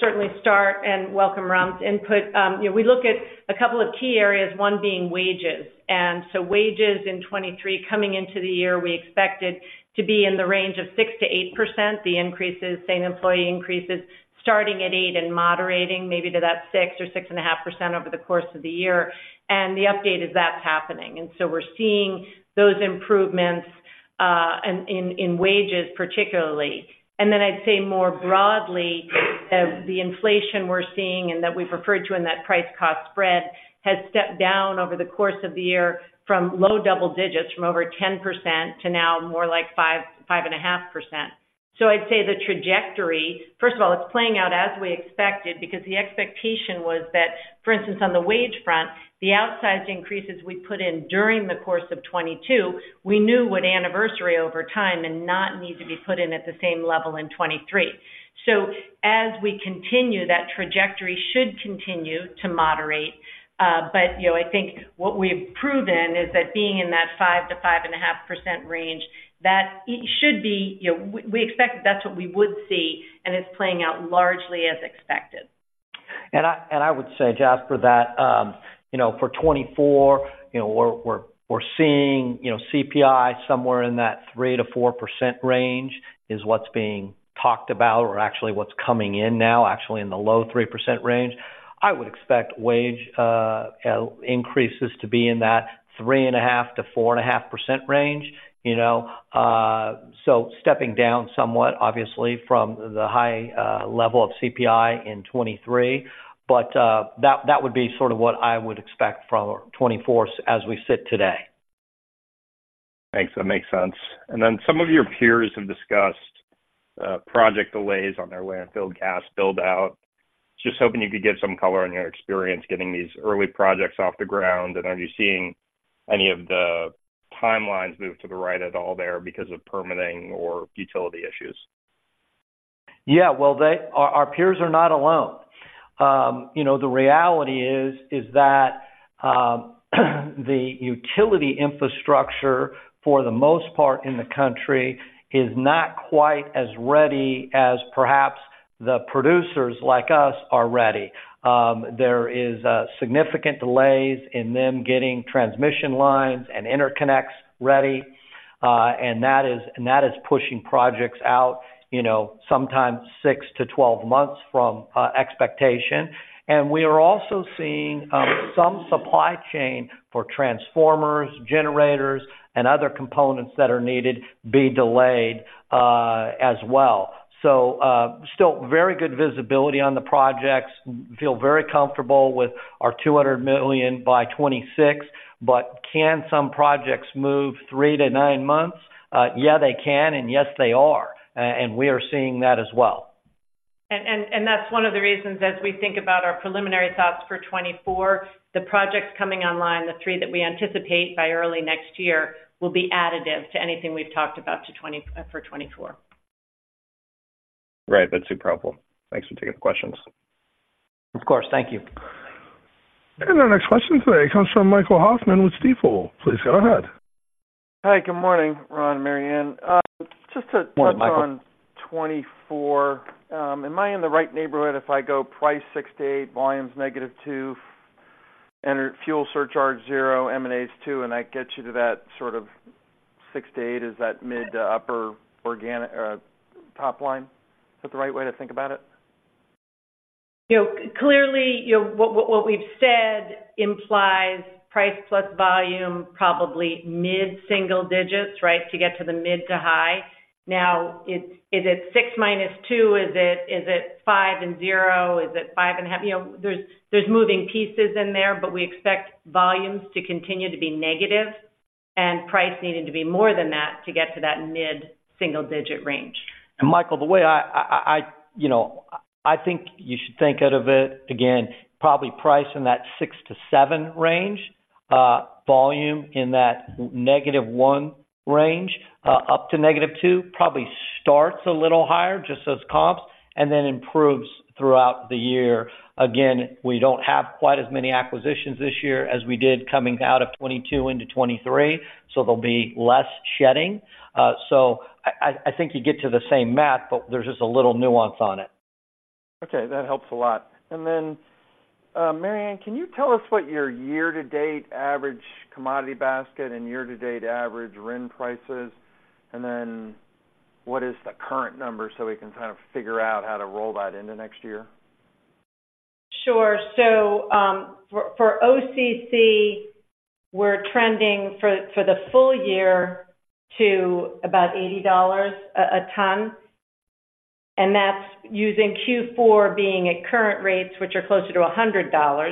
Speaker 3: certainly start and welcome Ron's input. You know, we look at a couple of key areas, one being wages. And so wages in 2023, coming into the year, we expected to be in the range of 6%-8%, the increases, same employee increases, starting at 8% and moderating maybe to that 6% or 6.5% over the course of the year. And the update is that's happening. And so we're seeing those improvements in wages particularly. And then I'd say more broadly, as the inflation we're seeing and that we've referred to in that price cost spread, has stepped down over the course of the year from low double digits, from over 10% to now more like 5% or 5.5%. So I'd say the trajectory, first of all, it's playing out as we expected, because the expectation was that, for instance, on the wage front, the outsized increases we put in during the course of 2022, we knew would anniversary over time and not need to be put in at the same level in 2023. So as we continue, that trajectory should continue to moderate. But, you know, I think what we've proven is that being in that 5%-5.5% range, that it should be, you know... We, we expect that's what we would see, and it's playing out largely as expected....
Speaker 2: And I would say, Jasper, that, you know, for 2024, you know, we're seeing, you know, CPI somewhere in that 3%-4% range, is what's being talked about or actually what's coming in now, actually in the low 3% range. I would expect wage increases to be in that 3.5%-4.5% range, you know. So stepping down somewhat, obviously, from the high level of CPI in 2023, but that would be sort of what I would expect from 2024 as we sit today.
Speaker 6: Thanks. That makes sense. And then some of your peers have discussed project delays on their landfill gas build-out. Just hoping you could give some color on your experience getting these early projects off the ground, and are you seeing any of the timelines move to the right at all there because of permitting or utility issues?
Speaker 2: Yeah, well, our peers are not alone. You know, the reality is that the utility infrastructure, for the most part in the country, is not quite as ready as perhaps the producers like us are ready. There is significant delays in them getting transmission lines and interconnects ready, and that is pushing projects out, you know, sometimes 6-12 months from expectation. And we are also seeing some supply chain for transformers, generators, and other components that are needed be delayed as well. So, still very good visibility on the projects. Feel very comfortable with our $200 million by 2026, but can some projects move 3-9 months? Yeah, they can, and yes, they are. And we are seeing that as well.
Speaker 3: That's one of the reasons, as we think about our preliminary thoughts for 2024, the projects coming online, the three that we anticipate by early next year, will be additive to anything we've talked about for 2024.
Speaker 6: Right. That's super helpful. Thanks for taking the questions.
Speaker 2: Of course. Thank you.
Speaker 1: Our next question today comes from Michael Hoffman with Stifel. Please go ahead.
Speaker 7: Hi, good morning, Ron and Mary Anne. Just to-
Speaker 2: Morning, Michael
Speaker 7: Touch on 24, am I in the right neighborhood if I go price 6-8, volumes -2, and the fuel surcharge 0, M&As 2, and that gets you to that sort of 6-8, is that mid- to upper-organic top line? Is that the right way to think about it?
Speaker 3: You know, clearly, you know, what we've said implies price plus volume, probably mid-single digits, right? To get to the mid to high. Now, it's, is it 6 - 2? Is it, is it 5 and 0? Is it 5.5? You know, there's moving pieces in there, but we expect volumes to continue to be negative, and price needing to be more than that to get to that mid-single-digit range.
Speaker 2: And Michael, the way I, you know, I think you should think of it, again, probably price in that 6-7 range, volume in that -1 range up to -2, probably starts a little higher, just those comps, and then improves throughout the year. Again, we don't have quite as many acquisitions this year as we did coming out of 2022 into 2023, so there'll be less shedding. So I think you get to the same math, but there's just a little nuance on it.
Speaker 7: Okay, that helps a lot. And then, Mary Anne, can you tell us what your year-to-date average commodity basket and year-to-date average RIN price is? And then what is the current number, so we can kind of figure out how to roll that into next year?
Speaker 3: Sure. So, for OCC, we're trending for the full year to about $80 a ton, and that's using Q4 being at current rates, which are closer to $100.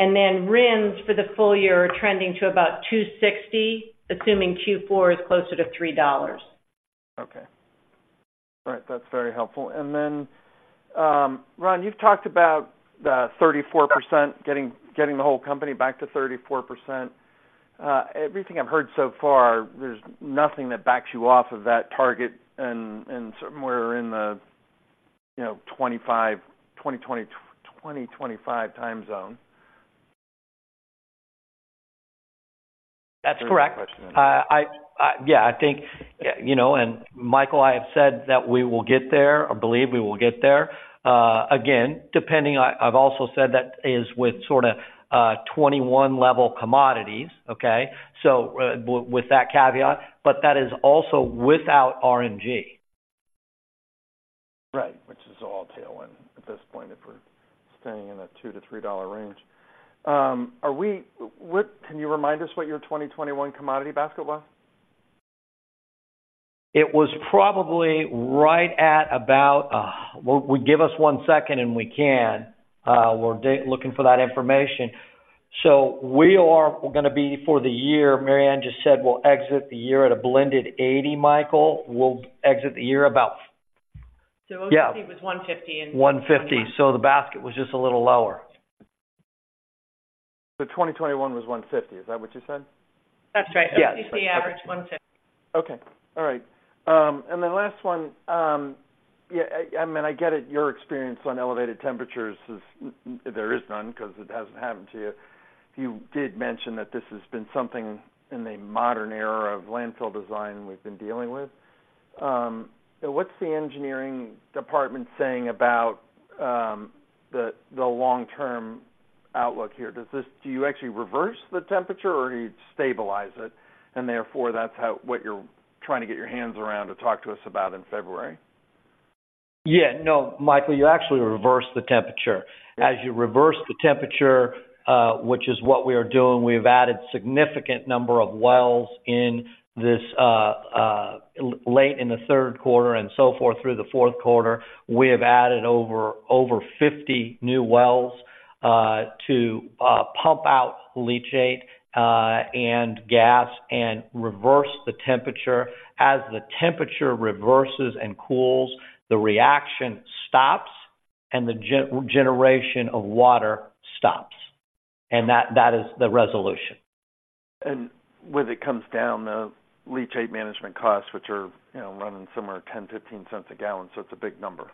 Speaker 3: And then RINs, for the full year, are trending to about $2.60, assuming Q4 is closer to $3.
Speaker 7: Okay. All right. That's very helpful. And then, Ron, you've talked about the 34%, getting the whole company back to 34%. Everything I've heard so far, there's nothing that backs you off of that target and somewhere in the, you know, 25, 2020, 2025 time zone.
Speaker 2: That's correct.
Speaker 7: Great question.
Speaker 2: Yeah, I think, you know, and Michael, I have said that we will get there, or believe we will get there. Again, depending on... I've also said that is with sorta 21 level commodities, okay? So with that caveat, but that is also without RNG.
Speaker 7: Right, which is all tailwind at this point, if we're staying in a $2-$3 range. Are we—what—can you remind us what your 2021 commodity basket was?
Speaker 2: It was probably right at about. Well, give us one second and we can. We're looking for that information. So we are gonna be, for the year, Mary Anne just said we'll exit the year at a blended 80, Michael. We'll exit the year about-
Speaker 3: OCC was $150 in-
Speaker 2: 150. The basket was just a little lower.
Speaker 7: 2021 was $150, is that what you said?
Speaker 3: That's right.
Speaker 2: Yeah.
Speaker 3: OCC average, $150.
Speaker 7: Okay. All right. And the last one, yeah, I mean, I get it, your experience on elevated temperatures is, there is none, 'cause it hasn't happened to you. You did mention that this has been something in the modern era of landfill design we've been dealing with.... and what's the engineering department saying about the long-term outlook here? Does this, do you actually reverse the temperature, or you stabilize it, and therefore, that's how, what you're trying to get your hands around to talk to us about in February?
Speaker 2: Yeah, no, Michael, you actually reverse the temperature. As you reverse the temperature, which is what we are doing, we've added significant number of wells in this late in the third quarter and so forth through the fourth quarter. We have added over 50 new wells to pump out leachate and gas and reverse the temperature. As the temperature reverses and cools, the reaction stops, and the generation of water stops, and that is the resolution.
Speaker 8: When it comes down, the leachate management costs, which are, you know, running somewhere $0.10-$0.15 a gallon, so it's a big number.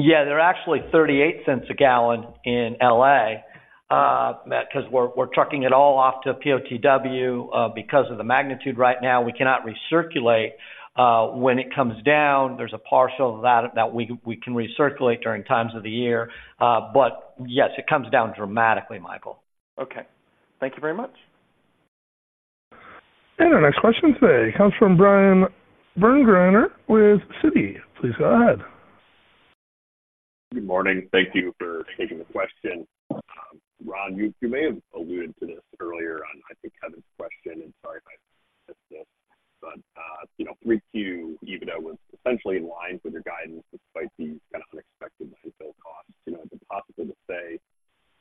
Speaker 2: Yeah, they're actually 38 cents a gallon in L.A., because we're trucking it all off to POTW. Because of the magnitude right now, we cannot recirculate. When it comes down, there's a partial of that that we can recirculate during times of the year. But yes, it comes down dramatically, Michael.
Speaker 9: Okay. Thank you very much.
Speaker 1: Our next question today comes from Bryan Burgmeier with Citi. Please go ahead.
Speaker 10: Good morning. Thank you for taking the question. Ron, you may have alluded to this earlier on, I think, Kevin's question, and sorry if I missed this, but, you know, 3Q, even though was essentially in line with your guidance, despite the kind of unexpected landfill costs, you know, is it possible to say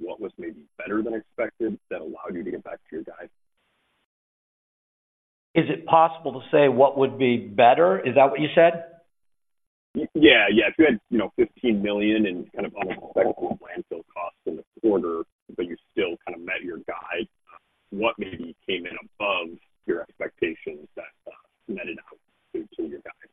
Speaker 10: what was maybe better than expected that allowed you to get back to your guide?
Speaker 2: Is it possible to say what would be better? Is that what you said?
Speaker 10: Yeah, yeah. If you had, you know, $15 million and kind of unexpected landfill costs in the quarter, but you still kind of met your guide, what maybe came in above your expectations that met it out to your guide?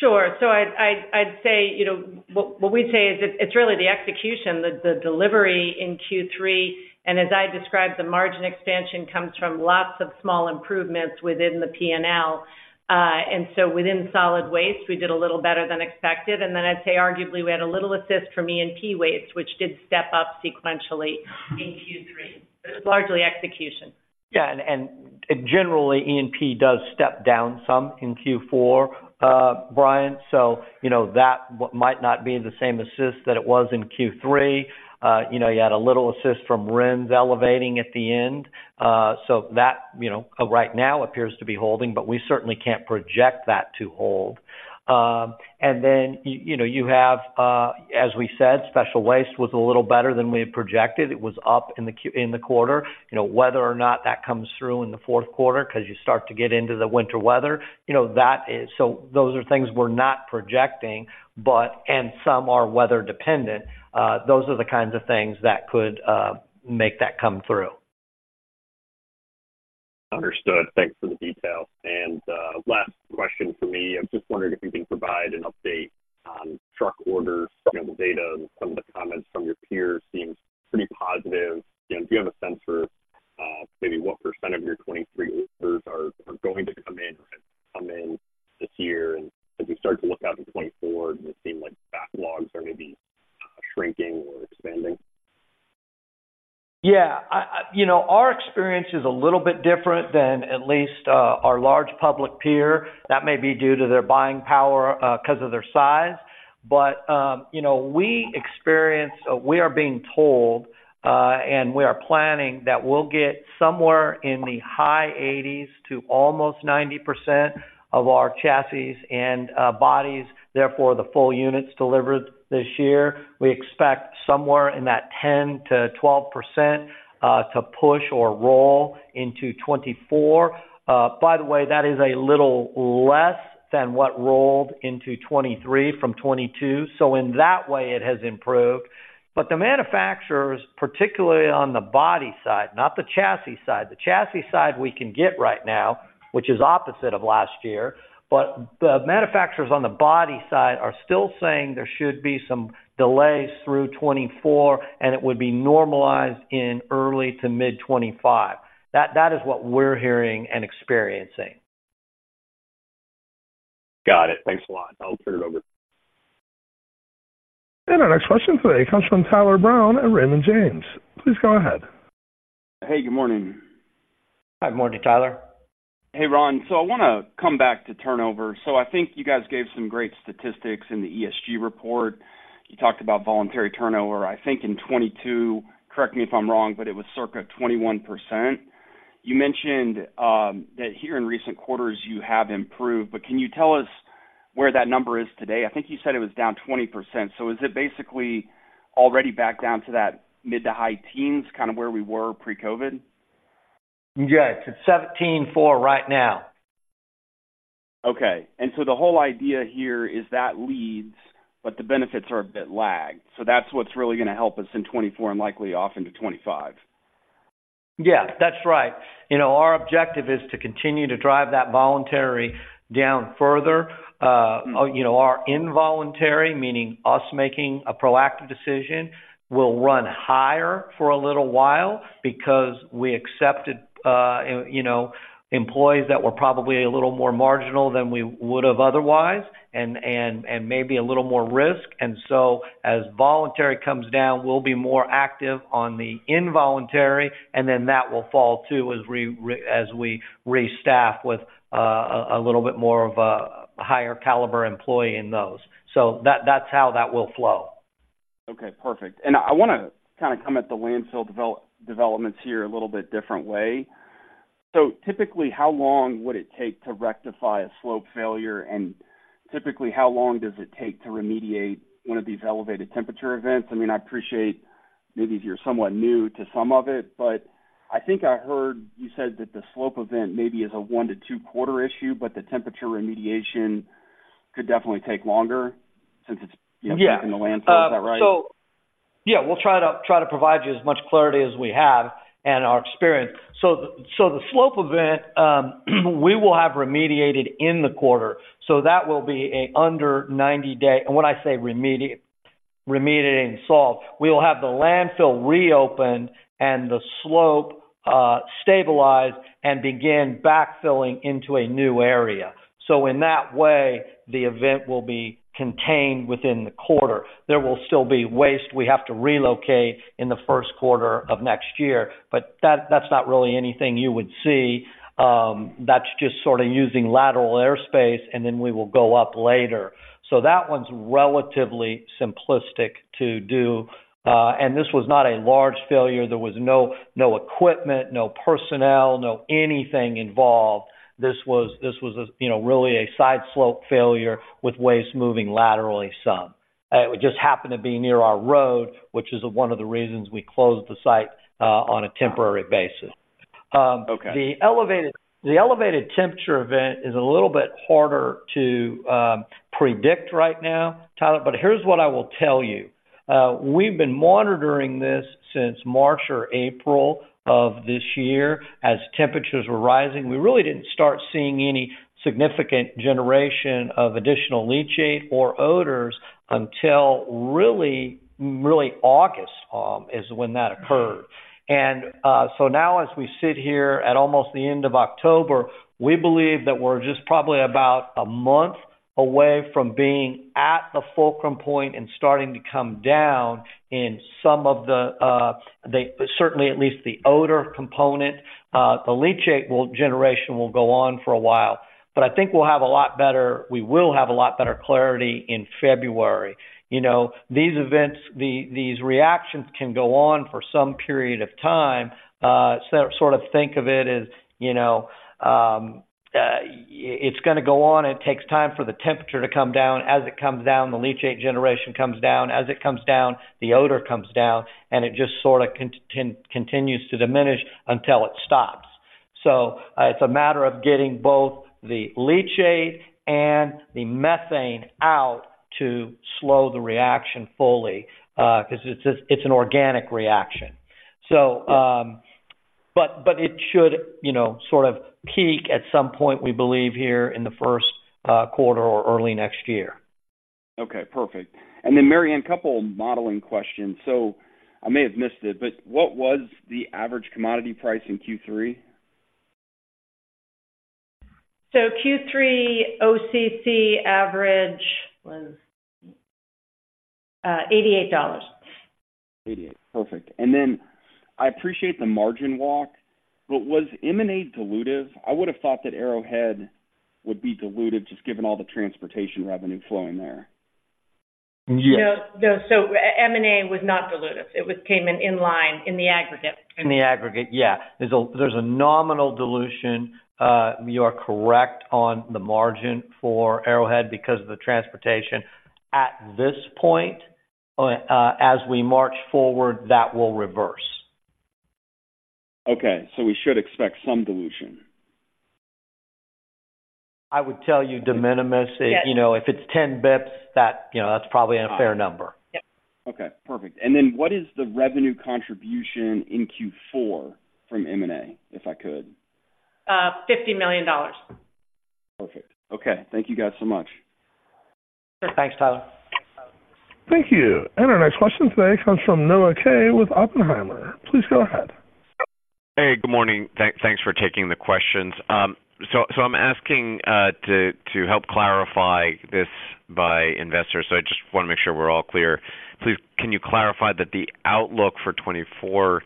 Speaker 3: Sure. So I'd say, you know, what we say is it's really the execution, the delivery in Q3. And as I described, the margin expansion comes from lots of small improvements within the P&L. And so within solid waste, we did a little better than expected, and then I'd say arguably, we had a little assist from E&P waste, which did step up sequentially in Q3. But it's largely execution.
Speaker 2: Yeah, and generally, E&P does step down some in Q4, Brian. So you know, that might not be the same assist that it was in Q3. You know, you had a little assist from RINs elevating at the end. So that, you know, right now appears to be holding, but we certainly can't project that to hold. And then you know, you have, as we said, special waste was a little better than we had projected. It was up in the quarter. You know, whether or not that comes through in the fourth quarter because you start to get into the winter weather, you know, that is. So those are things we're not projecting, but and some are weather dependent. Those are the kinds of things that could make that come through.
Speaker 10: Understood. Thanks for the detail. Last question for me. I'm just wondering if you can provide an update on truck orders. You know, the data and some of the comments from your peers seems pretty positive. You know, do you have a sense for maybe what % of your 2023 orders are going to come in or have come in this year? As we start to look out to 2024, does it seem like backlogs are maybe shrinking or expanding?
Speaker 2: Yeah, you know, our experience is a little bit different than at least our large public peer. That may be due to their buying power because of their size. But, you know, we are being told and we are planning that we'll get somewhere in the high 80s to almost 90% of our chassis and bodies, therefore, the full units delivered this year. We expect somewhere in that 10%-12% to push or roll into 2024. By the way, that is a little less than what rolled into 2023 from 2022, so in that way, it has improved. But the manufacturers, particularly on the body side, not the chassis side, the chassis side we can get right now, which is opposite of last year. The manufacturers on the body side are still saying there should be some delays through 2024, and it would be normalized in early to mid-2025. That is what we're hearing and experiencing.
Speaker 10: Got it. Thanks a lot. I'll turn it over.
Speaker 1: Our next question today comes from Tyler Brown at Raymond James. Please go ahead.
Speaker 8: Hey, good morning.
Speaker 2: Hi, good morning, Tyler.
Speaker 8: Hey, Ron. So I want to come back to turnover. So I think you guys gave some great statistics in the ESG report. You talked about voluntary turnover, I think, in 2022, correct me if I'm wrong, but it was circa 21%. You mentioned, that here in recent quarters you have improved, but can you tell us where that number is today? I think you said it was down 20%. So is it basically already back down to that mid to high teens, kind of where we were pre-COVID?
Speaker 2: Yeah, it's 7.4% right now.
Speaker 8: Okay. And so the whole idea here is that leads, but the benefits are a bit lagged. So that's what's really going to help us in 2024 and likely off into 2025?...
Speaker 2: Yeah, that's right. You know, our objective is to continue to drive that voluntary down further. You know, our involuntary, meaning us making a proactive decision, will run higher for a little while because we accepted, you know, employees that were probably a little more marginal than we would have otherwise, and maybe a little more risk. And so as voluntary comes down, we'll be more active on the involuntary, and then that will fall too, as we restaff with a little bit more of a higher caliber employee in those. So that's how that will flow.
Speaker 8: Okay, perfect. And I want to kind of come at the landfill developments here a little bit different way. So typically, how long would it take to rectify a slope failure? And typically, how long does it take to remediate one of these elevated temperature events? I mean, I appreciate maybe you're somewhat new to some of it, but I think I heard you said that the slope event maybe is a 1-2 quarter issue, but the temperature remediation could definitely take longer since it's, you know-
Speaker 2: Yeah
Speaker 8: in the landfill. Is that right?
Speaker 2: Yeah, we'll try to provide you as much clarity as we have and our experience. The slope event, we will have remediated in the quarter, so that will be under 90-day. And when I say remediated and solved, we will have the landfill reopened and the slope stabilized and begin backfilling into a new area. In that way, the event will be contained within the quarter. There will still be waste we have to relocate in the first quarter of next year, but that's not really anything you would see. That's just sort of using lateral airspace, and then we will go up later. That one's relatively simplistic to do. And this was not a large failure. There was no equipment, no personnel, no anything involved. This was, you know, really a side slope failure with waste moving laterally some. It just happened to be near our road, which is one of the reasons we closed the site, on a temporary basis.
Speaker 8: Okay.
Speaker 2: The elevated temperature event is a little bit harder to predict right now, Tyler, but here's what I will tell you. We've been monitoring this since March or April of this year as temperatures were rising. We really didn't start seeing any significant generation of additional leachate or odors until really August is when that occurred. So now as we sit here at almost the end of October, we believe that we're just probably about a month away from being at the fulcrum point and starting to come down in some of the certainly at least the odor component. The leachate generation will go on for a while, but I think we will have a lot better clarity in February. You know, these events, these reactions can go on for some period of time. So sort of think of it as, you know, it's going to go on. It takes time for the temperature to come down. As it comes down, the leachate generation comes down. As it comes down, the odor comes down, and it just sort of continues to diminish until it stops. So it's a matter of getting both the leachate and the methane out to slow the reaction fully, because it's, it's an organic reaction. So, but, but it should, you know, sort of peak at some point, we believe, here in the first quarter or early next year.
Speaker 8: Okay, perfect. And then, Mary Anne, a couple modeling questions. So I may have missed it, but what was the average commodity price in Q3?
Speaker 3: Q3, OCC average was $88.
Speaker 8: 88. Perfect. And then I appreciate the margin walk, but was M&A dilutive? I would have thought that Arrowhead would be dilutive, just given all the transportation revenue flowing there.
Speaker 2: Yes.
Speaker 3: No, no. So M&A was not dilutive. It came in in line in the aggregate.
Speaker 2: In the aggregate, yeah. There's a nominal dilution. You are correct on the margin for Arrowhead because of the transportation at this point. As we march forward, that will reverse.
Speaker 8: Okay, so we should expect some dilution?
Speaker 2: I would tell you, de minimis.
Speaker 3: Yes.
Speaker 2: You know, if it's 10 bips, that, you know, that's probably a fair number.
Speaker 3: Yep.
Speaker 8: Okay, perfect. And then what is the revenue contribution in Q4 from M&A, if I could?
Speaker 3: $50 million.
Speaker 8: Perfect. Okay. Thank you guys so much.
Speaker 2: Thanks, Tyler.
Speaker 1: Thank you. Our next question today comes from Noah Kaye with Oppenheimer. Please go ahead.
Speaker 11: Hey, good morning. Thanks for taking the questions. So I'm asking to help clarify this for investors, so I just want to make sure we're all clear. Please, can you clarify that the outlook for 2024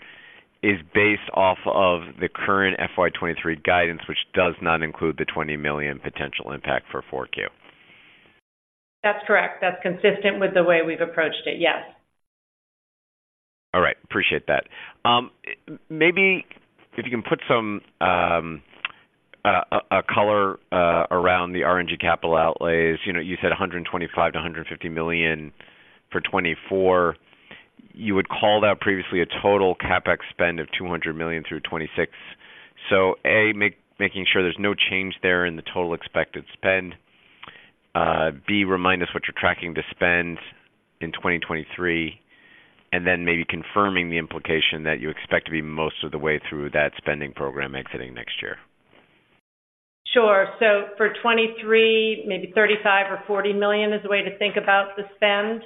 Speaker 11: is based off of the current FY 2023 guidance, which does not include the $20 million potential impact for 4Q?
Speaker 3: That's correct. That's consistent with the way we've approached it, yes.
Speaker 11: All right. Appreciate that. Maybe if you can put some color around the RNG capital outlays. You know, you said $125 million-$150 million for 2024. You had called out previously a total CapEx spend of $200 million through 2026. So A, making sure there's no change there in the total expected spend. B, remind us what you're tracking to spend in 2023, and then maybe confirming the implication that you expect to be most of the way through that spending program exiting next year.
Speaker 3: Sure. So for 2023, maybe $35 million or $40 million is a way to think about the spend.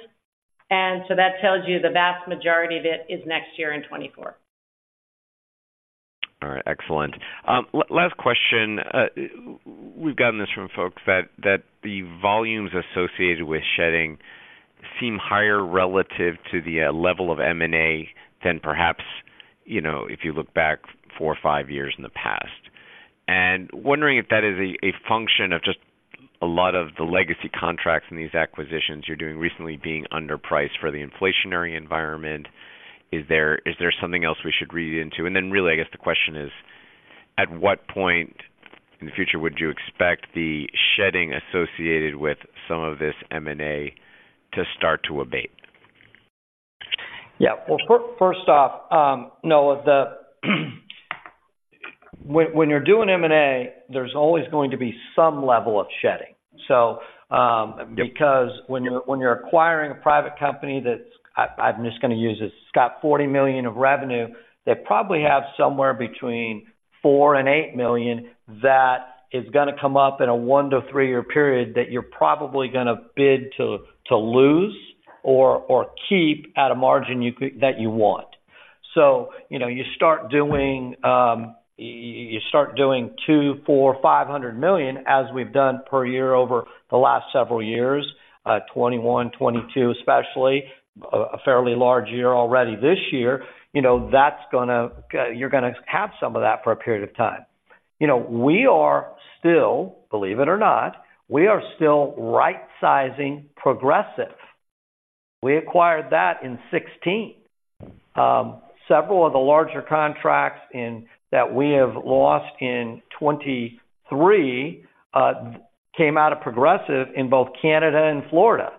Speaker 3: And so that tells you the vast majority of it is next year in 2024.
Speaker 11: All right, excellent. Last question. We've gotten this from folks, that the volumes associated with shedding seem higher relative to the level of M&A than perhaps, you know, if you look back four or five years in the past. And wondering if that is a function of just a lot of the legacy contracts in these acquisitions you're doing recently being underpriced for the inflationary environment. Is there something else we should read into? And then really, I guess the question is: At what point in the future would you expect the shedding associated with some of this M&A to start to abate?
Speaker 2: Yeah. Well, first off, Noah, when you're doing M&A, there's always going to be some level of shedding. So, because when you're acquiring a private company that's... I'm just going to use, it's got $40 million of revenue, they probably have somewhere between $4 million-$8 million that is going to come up in a 1-3-year period that you're probably going to bid to lose or keep at a margin that you want. So, you know, you start doing $200 million, $400 million, $500 million, as we've done per year over the last several years, 2021, 2022, especially, a fairly large year already this year, you know, that's gonna, you're gonna have some of that for a period of time. You know, we are still, believe it or not, we are still right-sizing Progressive. We acquired that in 2016. Several of the larger contracts that we have lost in 2023 came out of Progressive in both Canada and Florida.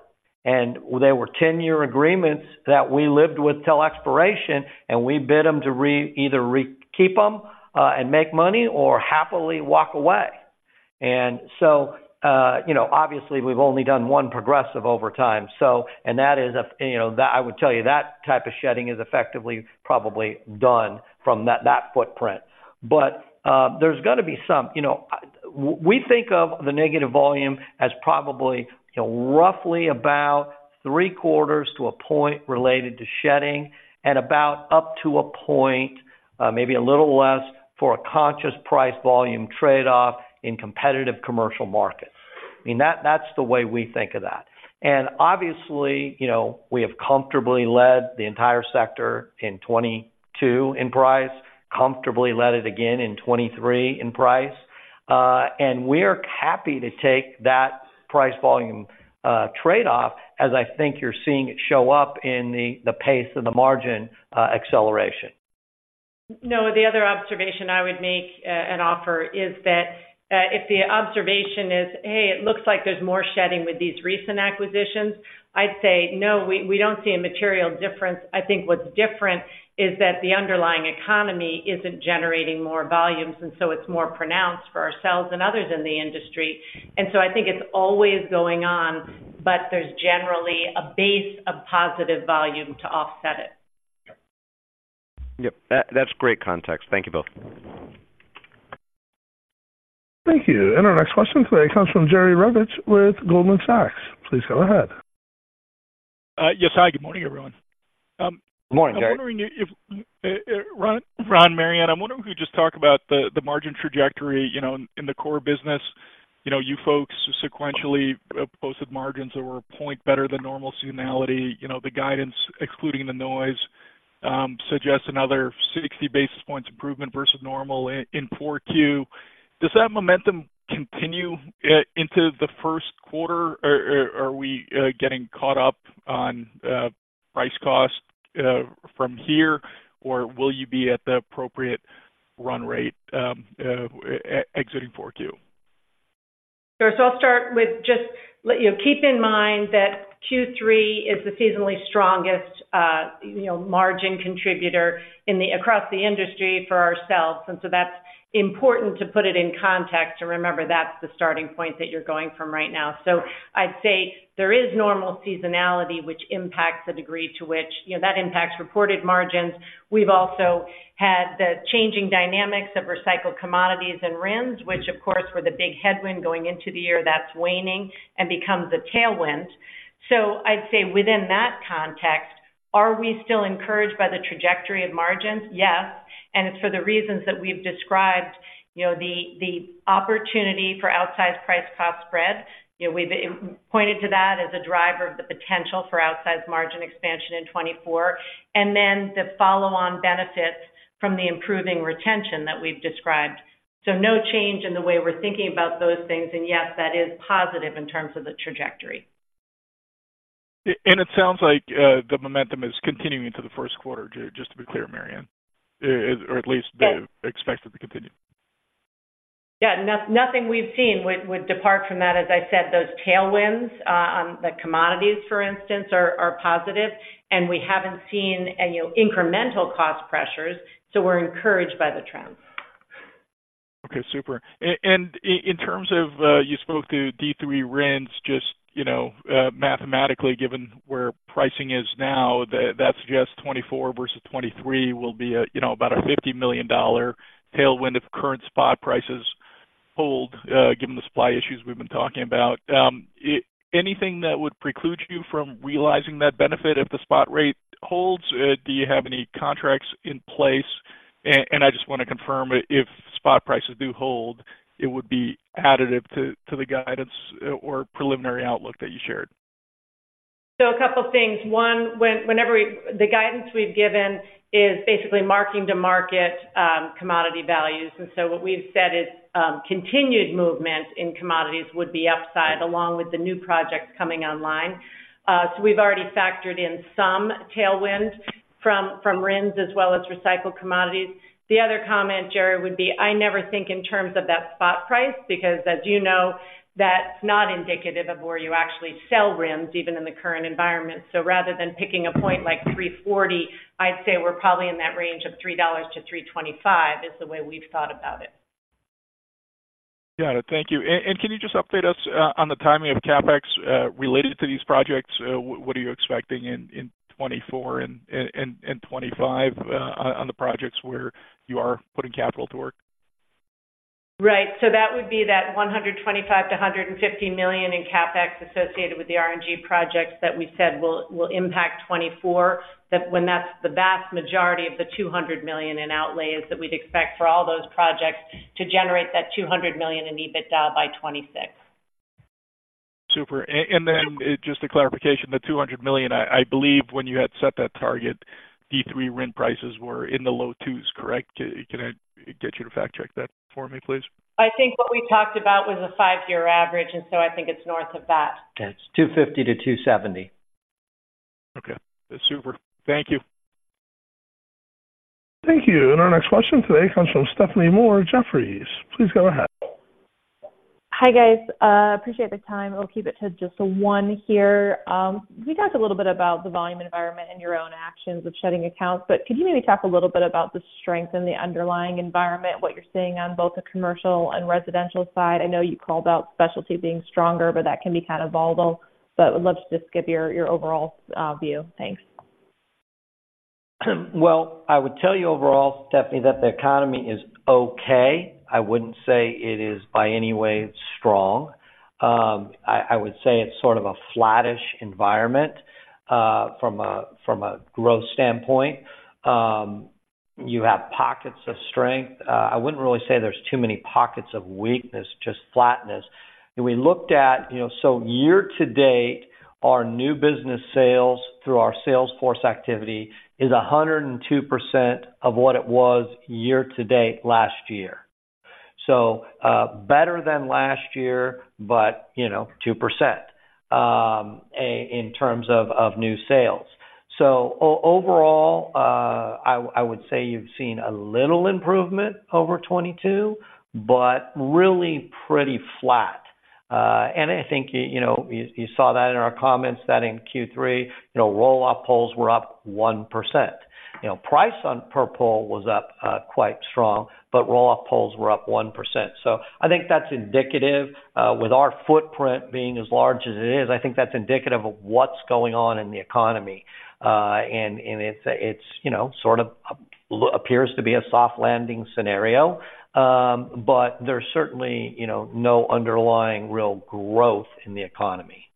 Speaker 2: And they were 10-year agreements that we lived with till expiration, and we bid them to either re-keep them, and make money or happily walk away. And so, you know, obviously, we've only done one Progressive over time. So, and that is a, you know, I would tell you, that type of shedding is effectively probably done from that, that footprint. But, there's going to be some... You know, we think of the negative volume as probably, you know, roughly about three-quarters to a point related to shedding and about up to a point, maybe a little less, for a conscious price-volume trade-off in competitive commercial markets. I mean, that's the way we think of that. And obviously, you know, we have comfortably led the entire sector in 2022 in price, comfortably led it again in 2023 in price, and we're happy to take that price-volume trade-off, as I think you're seeing it show up in the pace of the margin acceleration.
Speaker 3: Noah, the other observation I would make and offer is that if the observation is, "Hey, it looks like there's more shedding with these recent acquisitions," I'd say, "No, we, we don't see a material difference." I think what's different is that the underlying economy isn't generating more volumes, and so it's more pronounced for ourselves and others in the industry. And so I think it's always going on, but there's generally a base of positive volume to offset it.
Speaker 11: Yep, that's great context. Thank you both.
Speaker 1: Thank you. And our next question today comes from Jerry Revich with Goldman Sachs. Please go ahead.
Speaker 12: Yes. Hi, good morning, everyone.
Speaker 2: Good morning, Jerry.
Speaker 12: I'm wondering if, Ron, Mary Anne, I'm wondering if you could just talk about the margin trajectory, you know, in the core business. You know, you folks sequentially posted margins that were a point better than normal seasonality. You know, the guidance, excluding the noise, suggests another 60 basis points improvement versus normal in 4Q. Does that momentum continue into the first quarter, or are we getting caught up on price cost from here, or will you be at the appropriate run rate exiting 4Q?
Speaker 3: Sure. So I'll start with, you know, keep in mind that Q3 is the seasonally strongest, you know, margin contributor across the industry for ourselves, and so that's important to put it in context to remember that's the starting point that you're going from right now. So I'd say there is normal seasonality, which impacts the degree to which you know, that impacts reported margins. We've also had the changing dynamics of recycled commodities and RINs, which, of course, were the big headwind going into the year, that's waning and becomes a tailwind. So I'd say within that context, are we still encouraged by the trajectory of margins? Yes, and it's for the reasons that we've described, you know, the opportunity for outsized price cost spread. You know, we've pointed to that as a driver of the potential for outsized margin expansion in 2024, and then the follow-on benefits from the improving retention that we've described. So no change in the way we're thinking about those things, and yes, that is positive in terms of the trajectory.
Speaker 12: And it sounds like the momentum is continuing into the first quarter, just to be clear, Mary Anne, or at least-
Speaker 3: Yes...
Speaker 12: expected to continue.
Speaker 3: Yeah. Nothing we've seen would depart from that. As I said, those tailwinds on the commodities, for instance, are positive, and we haven't seen any incremental cost pressures, so we're encouraged by the trends....
Speaker 12: Okay, super. And in terms of, you spoke to D3 RINs, just, you know, mathematically, given where pricing is now, that suggests 2024 versus 2023 will be a, you know, about a $50 million tailwind if current spot prices hold, given the supply issues we've been talking about. Anything that would preclude you from realizing that benefit if the spot rate holds? Do you have any contracts in place? And I just want to confirm, if spot prices do hold, it would be additive to the guidance or preliminary outlook that you shared.
Speaker 3: A couple things. One, whenever we-- the guidance we've given is basically marking to market, commodity values. What we've said is, continued movement in commodities would be upside, along with the new projects coming online. We've already factored in some tailwind from, from RINs as well as recycled commodities. The other comment, Jared, would be, I never think in terms of that spot price, because, as you know, that's not indicative of where you actually sell RINs, even in the current environment. Rather than picking a point like $3.40, I'd say we're probably in that range of $3-$3.25, is the way we've thought about it.
Speaker 12: Got it. Thank you. And can you just update us on the timing of CapEx related to these projects? What are you expecting in 2024 and 2025 on the projects where you are putting capital to work?
Speaker 3: Right. So that would be that $125 million-$150 million in CapEx associated with the RNG projects that we said will impact 2024. That, when that's the vast majority of the $200 million in outlays that we'd expect for all those projects to generate that $200 million in EBITDA by 2026.
Speaker 12: Super. And then, just a clarification, the $200 million, I believe when you had set that target, D3 RIN prices were in the low $2s, correct? Can I get you to fact-check that for me, please?
Speaker 3: I think what we talked about was a five-year average, and so I think it's north of that.
Speaker 2: Yeah, it's $250-$270.
Speaker 12: Okay. Super. Thank you.
Speaker 1: Thank you. Our next question today comes from Stephanie Moore, Jefferies. Please go ahead.
Speaker 13: Hi, guys. Appreciate the time. I'll keep it to just one here. You talked a little bit about the volume environment and your own actions of shedding accounts, but could you maybe talk a little bit about the strength in the underlying environment, what you're seeing on both the commercial and residential side? I know you called out specialty being stronger, but that can be kind of volatile, but would love to just get your, your overall view. Thanks.
Speaker 2: Well, I would tell you overall, Stephanie, that the economy is okay. I wouldn't say it is by any way strong. I would say it's sort of a flattish environment, from a, from a growth standpoint. You have pockets of strength. I wouldn't really say there's too many pockets of weakness, just flatness. And we looked at, you know. So year to date, our new business sales through our sales force activity is 102% of what it was year to date last year. So, better than last year, but, you know, 2%, in terms of, of new sales. So overall, I would say you've seen a little improvement over 2022, but really pretty flat. And I think, you know, you, you saw that in our comments, that in Q3, you know, roll-off pulls were up 1%. You know, pricing per pull was up quite strong, but roll-off pulls were up 1%. So I think that's indicative, with our footprint being as large as it is, I think that's indicative of what's going on in the economy. And it's, it's, you know, sort of appears to be a soft landing scenario. But there's certainly, you know, no underlying real growth in the economy,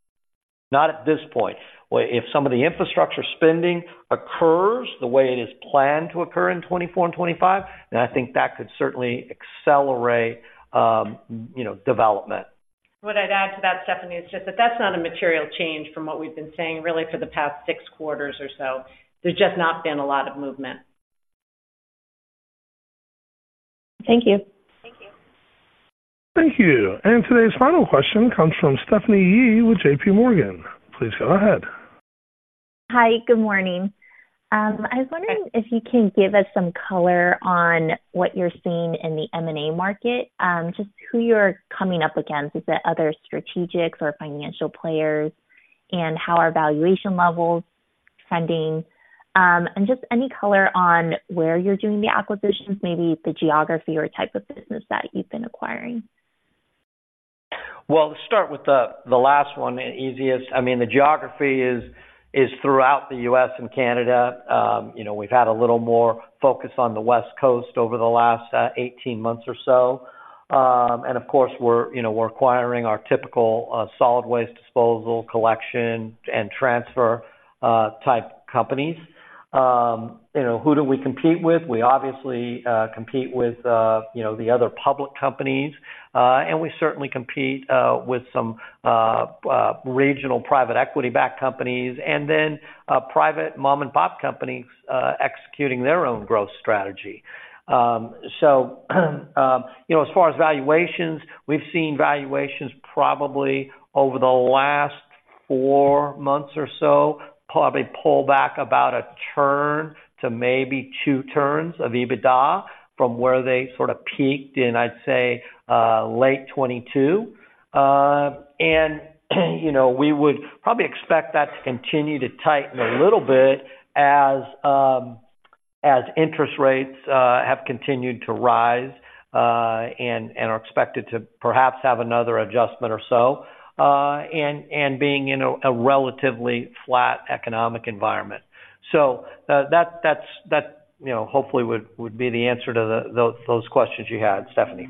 Speaker 2: not at this point. Well, if some of the infrastructure spending occurs the way it is planned to occur in 2024 and 2025, then I think that could certainly accelerate, you know, development.
Speaker 3: What I'd add to that, Stephanie, is just that that's not a material change from what we've been saying, really, for the past 6 quarters or so. There's just not been a lot of movement.
Speaker 13: Thank you.
Speaker 3: Thank you.
Speaker 1: Thank you. And today's final question comes from Stephanie Yee with JPMorgan. Please go ahead.
Speaker 14: Hi, good morning. I was wondering if you can give us some color on what you're seeing in the M&A market, just who you're coming up against, is it other strategics or financial players, and how are valuation levels trending? And just any color on where you're doing the acquisitions, maybe the geography or type of business that you've been acquiring.
Speaker 2: Well, let's start with the last one, the easiest. I mean, the geography is throughout the U.S. and Canada. You know, we've had a little more focus on the West Coast over the last 18 months or so. And of course, we're, you know, we're acquiring our typical solid waste disposal, collection, and transfer type companies. You know, who do we compete with? We obviously compete with, you know, the other public companies, and we certainly compete with some regional private equity-backed companies, and then private mom-and-pop companies executing their own growth strategy. So, you know, as far as valuations, we've seen valuations probably over the last four months or so, probably pull back about a turn to maybe two turns of EBITDA from where they sort of peaked in, I'd say, late 2022. And, you know, we would probably expect that to continue to tighten a little bit as interest rates have continued to rise, and are expected to perhaps have another adjustment or so, and being in a relatively flat economic environment. So, that's, you know, hopefully would be the answer to those questions you had, Stephanie.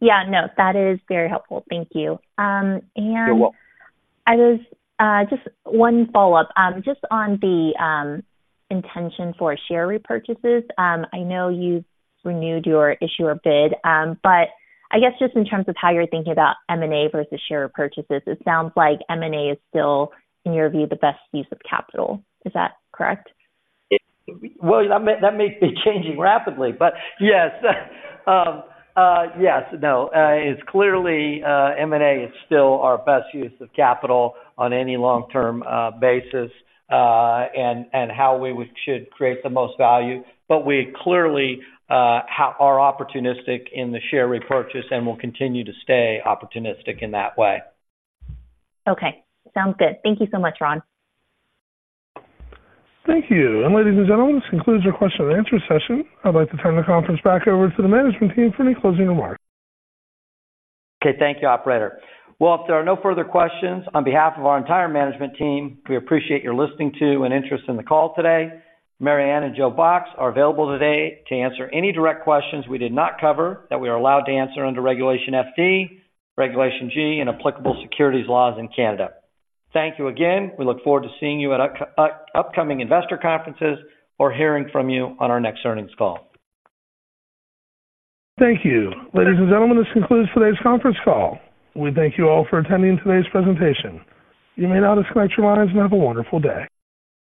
Speaker 14: Yeah, no, that is very helpful. Thank you.
Speaker 2: You're welcome.
Speaker 14: I was just one follow-up. Just on the intention for share repurchases. I know you've renewed your issuer bid, but I guess just in terms of how you're thinking about M&A versus share purchases, it sounds like M&A is still, in your view, the best use of capital. Is that correct?
Speaker 2: Well, that may be changing rapidly, but yes. Yes. No, it's clearly M&A is still our best use of capital on any long-term basis, and how we should create the most value. But we clearly are opportunistic in the share repurchase and will continue to stay opportunistic in that way.
Speaker 14: Okay. Sounds good. Thank you so much, Ron.
Speaker 1: Thank you. Ladies and gentlemen, this concludes our question and answer session. I'd like to turn the conference back over to the management team for any closing remarks.
Speaker 2: Okay, thank you, operator. Well, if there are no further questions, on behalf of our entire management team, we appreciate your listening to and interest in the call today. Mary Anne and Joe Box are available today to answer any direct questions we did not cover, that we are allowed to answer under Regulation FD, Regulation G, and applicable securities laws in Canada. Thank you again. We look forward to seeing you at upcoming investor conferences or hearing from you on our next earnings call.
Speaker 1: Thank you. Ladies and gentlemen, this concludes today's conference call. We thank you all for attending today's presentation. You may now disconnect your lines and have a wonderful day.